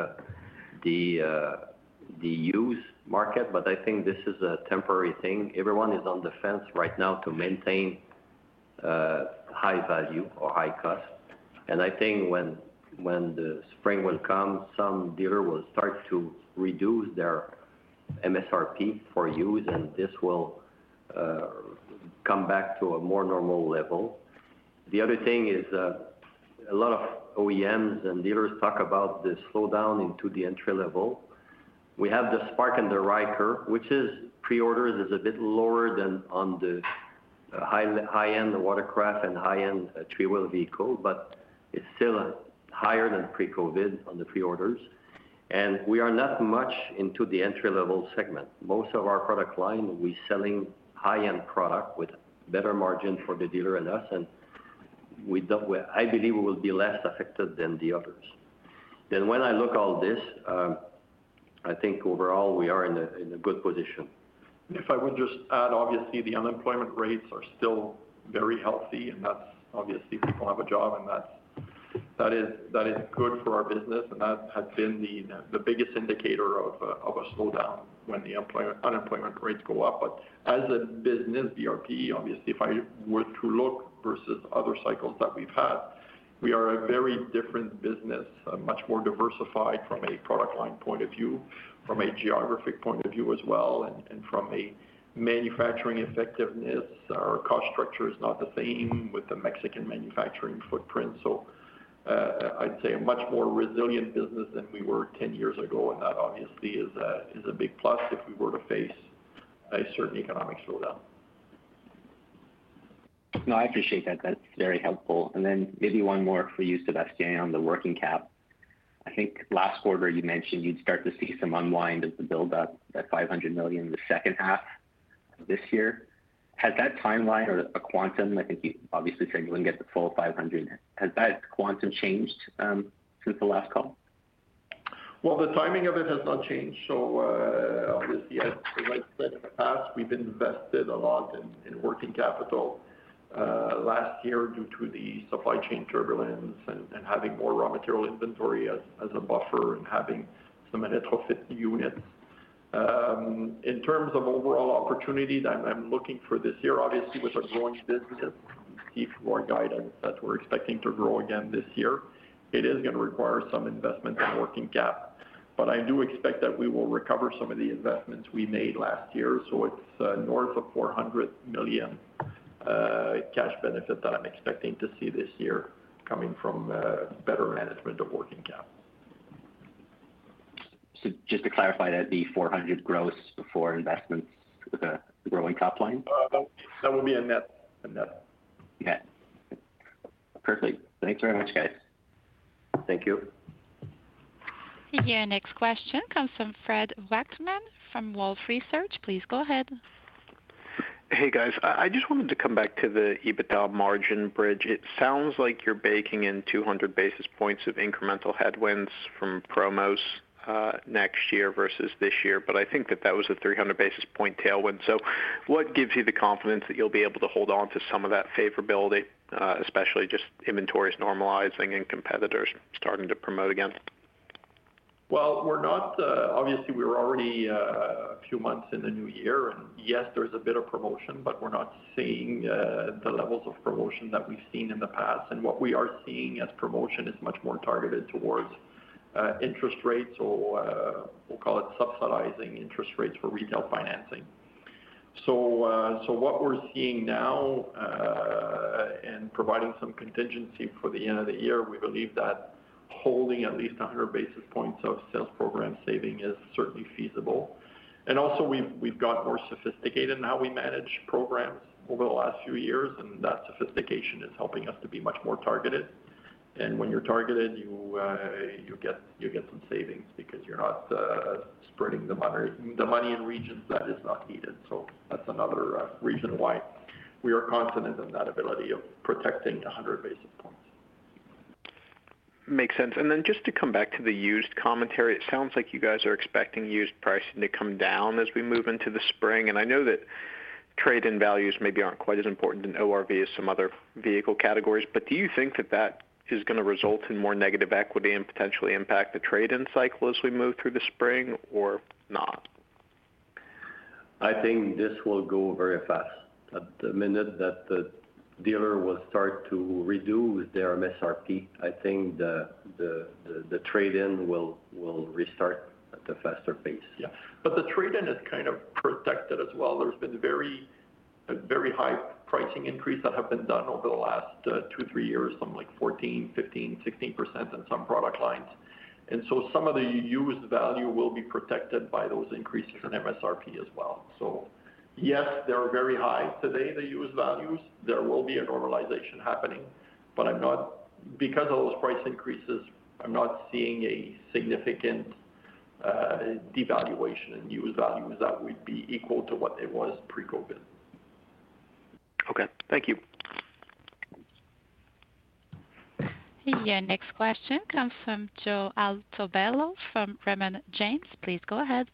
used market, but I think this is a temporary thing. Everyone is on the fence right now to maintain high value or high cost. I think when the spring will come, some dealer will start to reduce their MSRP for used and this will come back to a more normal level. The other thing is a lot of OEMs and dealers talk about the slowdown into the entry level. We have the Spark and the Ryker, which is pre-orders, is a bit lower than on the high-end watercraft and high-end three-wheel vehicle, but it's still higher than pre-COVID on the pre-orders. We are not much into the entry-level segment. Most of our product line, we're selling high-end product with better margin for the dealer and us, and I believe we will be less affected than the others. When I look all this, I think overall we are in a good position. If I would just add, obviously the unemployment rates are still very healthy, and that's obviously people have a job and that is good for our business and that has been the biggest indicator of a, of a slowdown when the unemployment rates go up. As a business, BRP obviously, if I were to look versus other cycles that we've had, we are a very different business, much more diversified from a product line point of view, from a geographic point of view as well, and from a manufacturing effectiveness. Our cost structure is not the same with the Mexican manufacturing footprint. I'd say a much more resilient business than we were 10 years ago. That obviously is a, is a big plus if we were to face a certain economic slowdown. No, I appreciate that. That's very helpful. Maybe one more for you, Sébastien, on the working cap. I think last quarter you mentioned you'd start to see some unwind of the build up, that 500 million in the second half this year. Has that timeline or a quantum, I think you obviously said you wouldn't get the full 500 million. Has that quantum changed since the last call? The timing of it has not changed. Obviously as like said in the past, we've invested a lot in working capital last year due to the supply chain turbulence and having more raw material inventory as a buffer and having some retrofit units. In terms of overall opportunities, I'm looking for this year, obviously with our growing business, you see from our guidance that we're expecting to grow again this year. It is gonna require some investment in working cap, but I do expect that we will recover some of the investments we made last year. It's north of 400 million cash benefit that I'm expecting to see this year coming from better management of working cap. Just to clarify that the 400 gross before investments with a growing top line? That will be a net. Okay. Perfectly. Thanks very much, guys. Thank you. Your next question comes from Fred Wightman from Wolfe Research. Please go ahead. Hey, guys. I just wanted to come back to the EBITDA margin bridge. It sounds like you're baking in 200 basis points of incremental headwinds from promos next year versus this year. I think that that was a 300 basis point tailwind. What gives you the confidence that you'll be able to hold on to some of that favorability, especially just inventories normalizing and competitors starting to promote again? We're not, obviously we're already a few months in the new year, and yes, there's a bit of promotion, but we're not seeing the levels of promotion that we've seen in the past. What we are seeing as promotion is much more targeted towards interest rates or, we'll call it subsidizing interest rates for retail financing. What we're seeing now, in providing some contingency for the end of the year, we believe that holding at least 100 basis points of sales program saving is certainly feasible. Also we've got more sophisticated in how we manage programs over the last few years, and that sophistication is helping us to be much more targeted. When you're targeted, you get some savings because you're not spreading the money in regions that is not needed. That's another reason why we are confident in that ability of protecting 100 basis points. Makes sense. Then just to come back to the used commentary, it sounds like you guys are expecting used pricing to come down as we move into the spring. I know that trade-in values maybe aren't quite as important in ORV as some other vehicle categories, but do you think that that is gonna result in more negative equity and potentially impact the trade-in cycle as we move through the spring or not? I think this will go very fast. At the minute that the dealer will start to reduce their MSRP, I think the trade-in will restart at a faster pace. Yeah. The trade-in is kind of protected as well. There's been a very high pricing increase that have been done over the last two, three years, something like 14%, 15%, 16% in some product lines. Some of the used value will be protected by those increases in MSRP as well. Yes, they are very high. Today, the used values, there will be a normalization happening, but because of those price increases, I'm not seeing a significant devaluation in used values that would be equal to what it was pre-COVID. Okay. Thank you. Your next question comes from Joe Altobello from Raymond James. Please go ahead.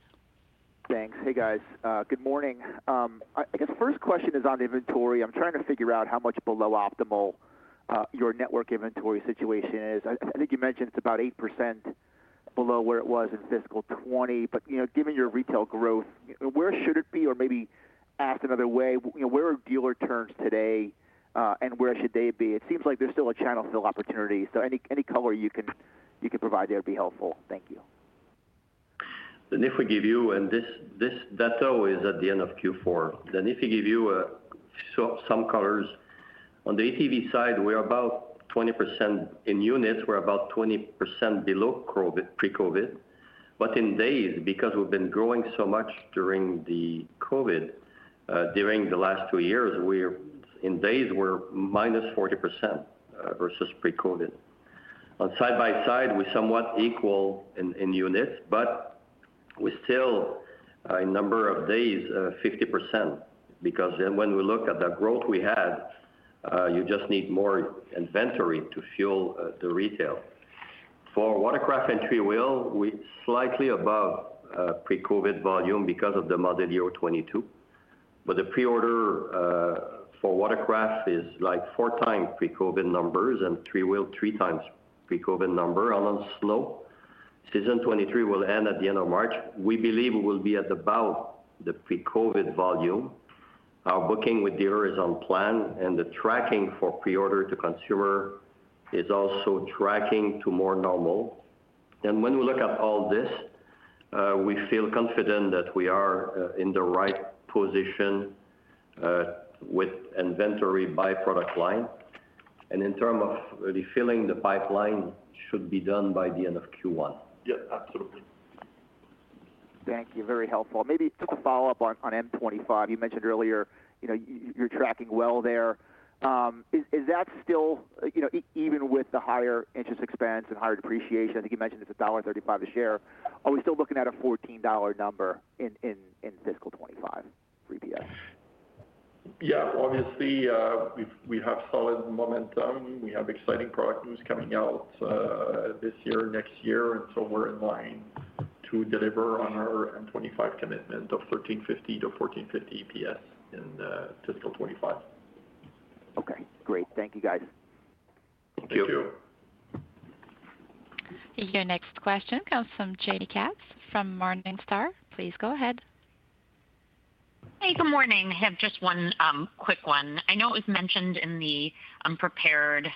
Thanks. Hey, guys. good morning. I guess first question is on inventory. I'm trying to figure out how much below optimal your network inventory situation is. I think you mentioned it's about 8% below where it was in fiscal 2020. You know, given your retail growth, where should it be? Or maybe asked another way, you know, where are dealer turns today, and where should they be? It seems like there's still a channel fill opportunity. Any color you can provide there would be helpful. Thank you. If we give you... This data is at the end of Q4. If we give you so some colors. On the ATV side, we're about 20% in units. We're about 20% below COVID, pre-COVID. In days, because we've been growing so much during the COVID, during the last two years, we're, in days, we're -40% versus pre-COVID. On Side-by-Side, we're somewhat equal in units, but we're still a number of days 50% because then when we look at the growth we had, you just need more inventory to fuel the retail. For watercraft and three-wheel, we're slightly above pre-COVID volume because of the model year 2022. The pre-order for watercraft is like four times pre-COVID numbers and three-wheel, three times pre-COVID number on a slow. Season 2023 will end at the end of March. We believe we'll be at about the pre-COVID volume. Our booking with dealers on plan and the tracking for pre-order to consumer is also tracking to more normal. When we look at all this, we feel confident that we are in the right position with inventory by product line. In term of refilling the pipeline should be done by the end of Q1. Yeah. Absolutely. Thank you. Very helpful. Maybe just a follow-up on M25. You mentioned earlier, you know, you're tracking well there. Is that still, you know, even with the higher interest expense and higher depreciation, I think you mentioned it's dollar 1.35 a share, are we still looking at a 14 dollar number in fiscal 2025 EPS? Yeah. Obviously, we have solid momentum. We have exciting product news coming out, this year, next year. We're in line to deliver on our M25 commitment of 1,350-1,450 EPS in fiscal 2025. Okay. Great. Thank you, guys. Thank you. Thank you. Your next question comes from Jaime Katz from Morningstar. Please go ahead. Hey, good morning. I have just one, quick one. I know it was mentioned in the prepared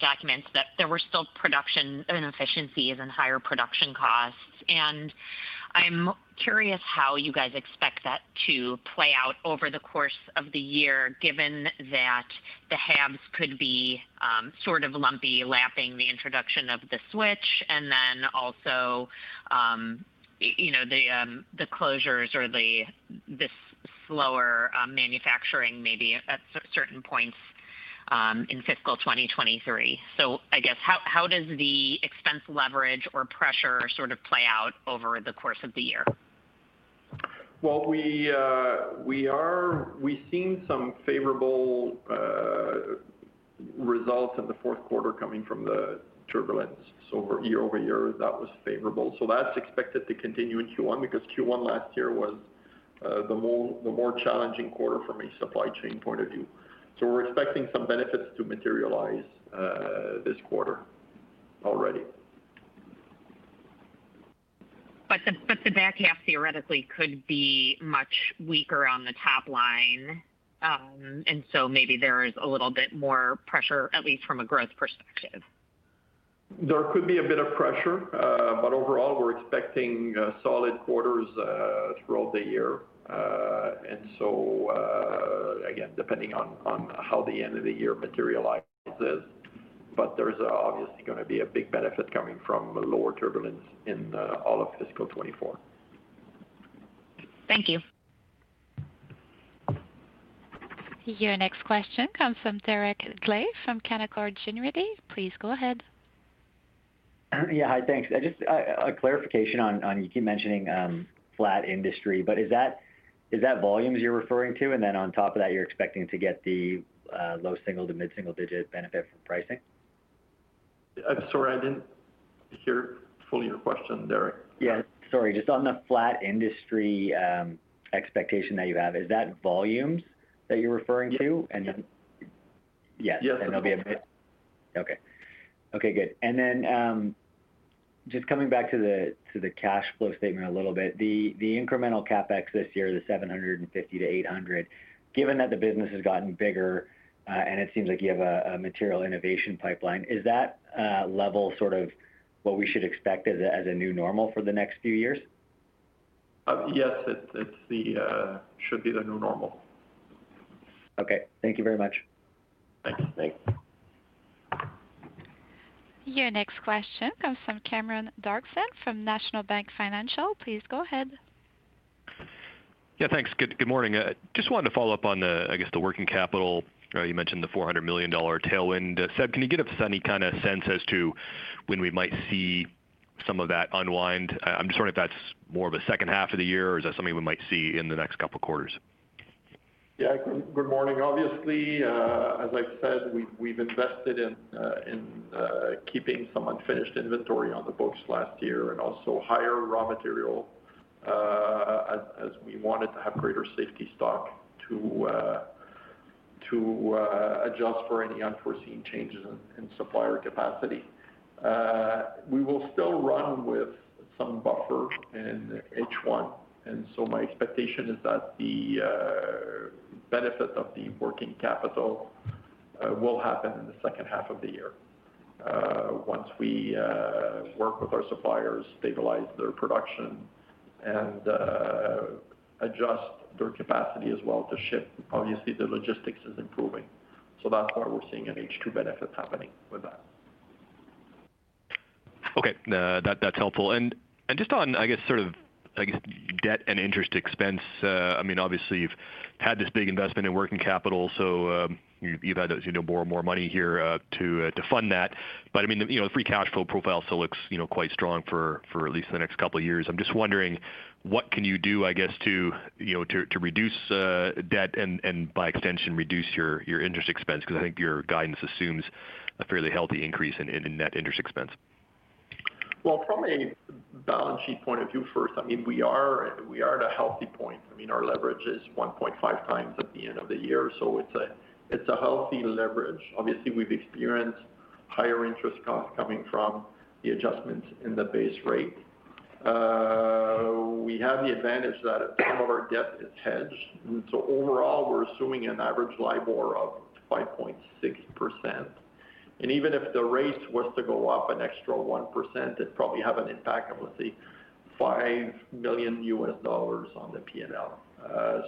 documents that there were still production inefficiencies and higher production costs. I'm curious how you guys expect that to play out over the course of the year, given that the halves could be sort of lumpy, lapping the introduction of the Switch and then also, you know, the closures or the... Slower, manufacturing maybe at certain points, in fiscal 2023. I guess how does the expense leverage or pressure sort of play out over the course of the year? Well, we've seen some favorable results in the fourth quarter coming from the turbulence. Year-over-year, that was favorable. That's expected to continue in Q1 because Q1 last year was the more challenging quarter from a supply chain point of view. We're expecting some benefits to materialize this quarter already. The back half theoretically could be much weaker on the top line. Maybe there is a little bit more pressure, at least from a growth perspective. There could be a bit of pressure, but overall, we're expecting solid quarters throughout the year. Again, depending on how the end of the year materializes. There's obviously gonna be a big benefit coming from lower turbulence in all of fiscal 2024. Thank you. Your next question comes from Derek Dley from Canaccord Genuity. Please go ahead. Yeah. Hi. Thanks. Just a clarification on you keep mentioning flat industry, is that volumes you're referring to? On top of that, you're expecting to get the low single to mid-single digit benefit from pricing? I'm sorry, I didn't hear fully your question, Derek. Yeah. Sorry. Just on the flat industry, expectation that you have, is that volumes that you're referring to? Yeah. Yeah. Yes. Yes. There'll be a bit. Okay. Okay, good. Just coming back to the cash flow statement a little bit, the incremental CapEx this year, the 750 million-800 million, given that the business has gotten bigger, and it seems like you have a material innovation pipeline, is that level sort of what we should expect as a new normal for the next few years? Yes, it's the, should be the new normal. Okay. Thank you very much. Thank you. Thanks. Your next question comes from Cameron Doerksen from National Bank Financial. Please go ahead. Yeah, thanks. Good morning. Just wanted to follow up on the, I guess, the working capital. You mentioned the 400 million dollar tailwind. Seb, can you give us any kinda sense as to when we might see some of that unwind? I'm just wondering if that's more of a second half of the year, or is that something we might see in the next couple quarters? Yeah. Good, good morning. Obviously, as I said, we've invested in keeping some unfinished inventory on the books last year and also higher raw material, as we wanted to have greater safety stock to adjust for any unforeseen changes in supplier capacity. We will still run with some buffer in H1. My expectation is that the benefit of the working capital will happen in the second half of the year, once we work with our suppliers, stabilize their production and adjust their capacity as well to ship. Obviously, the logistics is improving. That's why we're seeing an H2 benefit happening with that. That, that's helpful. Just on, I guess, sort of, I guess, debt and interest expense, I mean, obviously you've had this big investment in working capital, so, you've had to, you know, borrow more money here, to fund that. I mean, the, you know, the free cash flow profile still looks, you know, quite strong for at least the next couple of years. I'm just wondering what can you do, I guess, to, you know, to reduce debt and by extension, reduce your interest expense? Because I think your guidance assumes a fairly healthy increase in net interest expense. Well, from a balance sheet point of view first, I mean, we are at a healthy point. I mean, our leverage is 1.5x at the end of the year, so it's a healthy leverage. Obviously, we've experienced higher interest costs coming from the adjustments in the base rate. We have the advantage that some of our debt is hedged, overall, we're assuming an average LIBOR of 5.6%. Even if the rates was to go up an extra 1%, it'd probably have an impact of, let's say, $5 million on the P&L.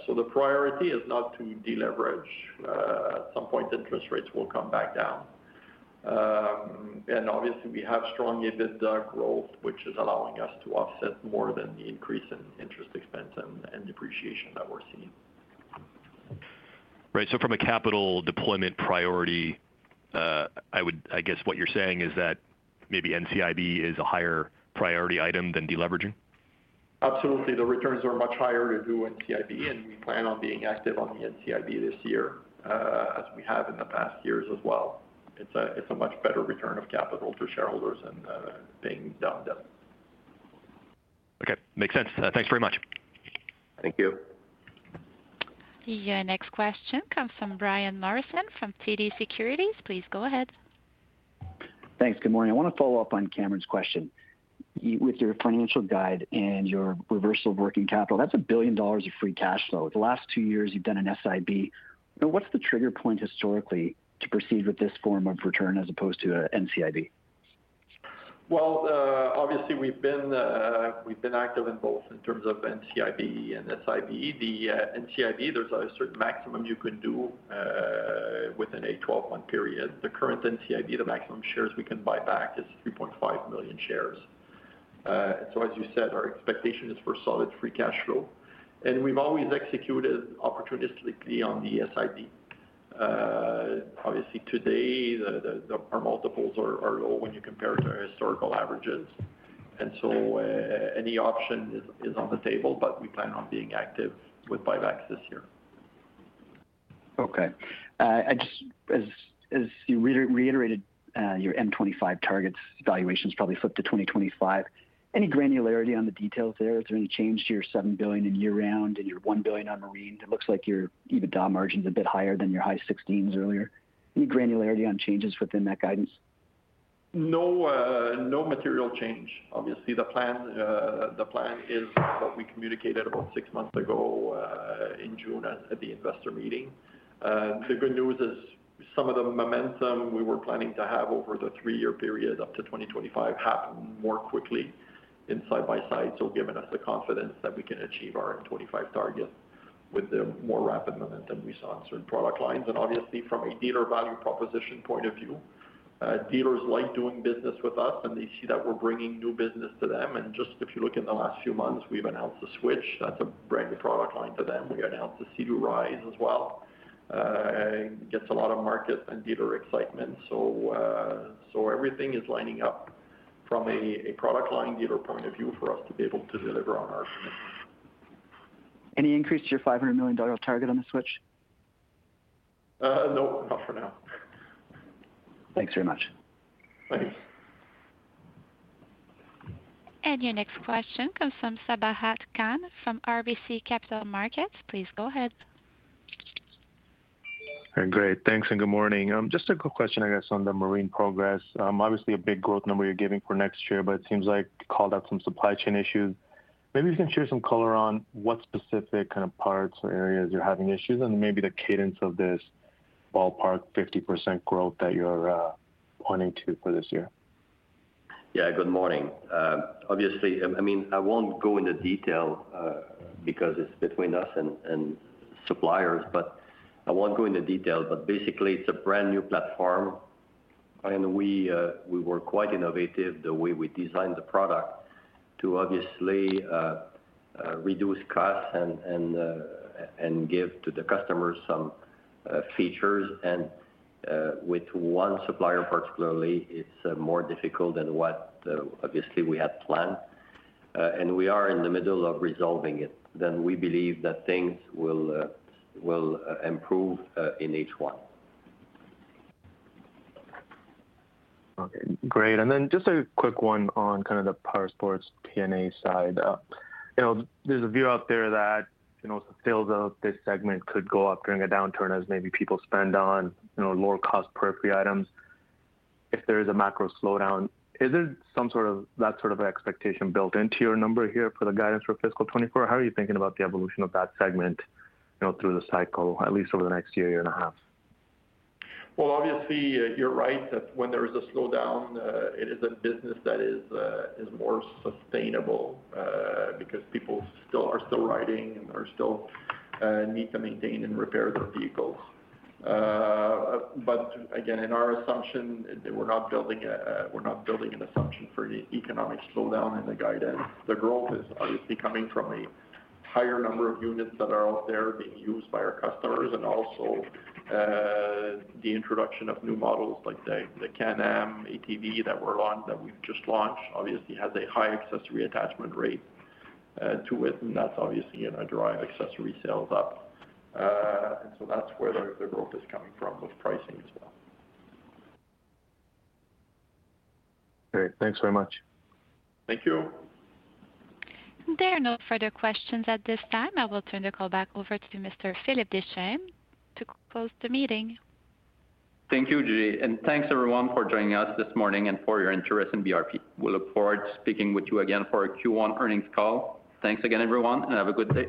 The priority is not to deleverage. At some point interest rates will come back down. Obviously we have strong EBITDA growth, which is allowing us to offset more than the increase in interest expense and depreciation that we're seeing. Right. From a capital deployment priority, I guess what you're saying is that maybe NCIB is a higher priority item than deleveraging? Absolutely. The returns are much higher to do NCIB. We plan on being active on the NCIB this year, as we have in the past years as well. It's a much better return of capital to shareholders than paying down debt. Okay. Makes sense. Thanks very much. Thank you. Your next question comes from Brian Morrison from TD Securities. Please go ahead. Thanks. Good morning. I wanna follow up on Cameron's question. With your financial guide and your reversal of working capital, that's $1 billion of free cash flow. The last two years you've done an SIB. What's the trigger point historically to proceed with this form of return as opposed to a NCIB? Obviously we've been active in both in terms of NCIB and SIB. NCIB, there's a certain maximum you can do in a 12-month period, the current NCIB, the maximum shares we can buy back is 3.5 million shares. As you said, our expectation is for solid free cash flow. We've always executed opportunistically on the NCIB. Obviously, today our multiples are low when you compare it to historical averages. Any option is on the table, but we plan on being active with buybacks this year. Okay. I just as you reiterated, your M25 targets valuations probably flipped to 2025. Any granularity on the details there? Has there been any change to your 7 billion in year round and your 1 billion on Marine? It looks like your EBITDA margin is a bit higher than your high 16% earlier. Any granularity on changes within that guidance? No, no material change. Obviously, the plan is what we communicated about six months ago, in June at the Investor Day. The good news is some of the momentum we were planning to have over the three-year period up to 2025 happened more quickly in Side-by-Side, giving us the confidence that we can achieve our 2025 targets with the more rapid momentum we saw in certain product lines. Obviously from a dealer value proposition point of view, dealers like doing business with us and they see that we're bringing new business to them. Just if you look in the last few months, we've announced the Switch. That's a brand new product line for them. We announced the Sea-Doo Rise as well. It gets a lot of market and excitement, so everything is lining up from a product line dealer point of view for us to be able to deliver on our commitment. Any increase to your 500 million dollar target on the Switch? No, not for now. Thanks very much. Thanks. Your next question comes from Sabahat Khan from RBC Capital Markets. Please go ahead. Great. Thanks, and good morning. Just a quick question, I guess on the Marine progress. Obviously a big growth number you're giving for next year, but it seems like you called out some supply chain issues. Maybe you can share some color on what specific kind of parts or areas you're having issues and maybe the cadence of this ballpark 50% growth that you're pointing to for this year. Yeah, good morning. Obviously, I mean, I won't go into detail, because it's between us and suppliers, I won't go into detail. Basically, it's a brand new platform and we were quite innovative the way we designed the product to obviously reduce costs and give to the customers some features. With one supplier particularly, it's more difficult than what obviously we had planned. We are in the middle of resolving it. We believe that things will improve in H1. Okay, great. Just a quick one on kind of the Powersports PNA side. You know, there's a view out there that, you know, sales of this segment could go up during a downturn as maybe people spend on, you know, lower cost periphery items. If there is a macro slowdown, is there some sort of that sort of expectation built into your number here for the guidance for fiscal 2024? How are you thinking about the evolution of that segment, you know, through the cycle, at least over the next year and a half? Obviously, you're right that when there is a slowdown, it is a business that is more sustainable because people are still riding and are still need to maintain and repair their vehicles. Again, in our assumption, we're not building a, we're not building an assumption for an economic slowdown in the guidance. The growth is obviously coming from a higher number of units that are out there being used by our customers and also, the introduction of new models like the Can-Am, ATV that we're on, that we've just launched obviously has a high accessory attachment rate to it, and that's obviously gonna drive accessory sales up. That's where the growth is coming from with pricing as well. Great. Thanks very much. Thank you. There are no further questions at this time. I will turn the call back over to Mr. Philippe Deschênes to close the meeting. Thank you, Julie. Thanks everyone for joining us this morning and for your interest in BRP. We look forward to speaking with you again for our Q1 earnings call. Thanks again, everyone, have a good day.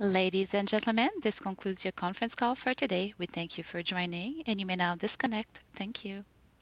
Ladies and gentlemen, this concludes your conference call for today. We thank you for joining, and you may now disconnect. Thank you.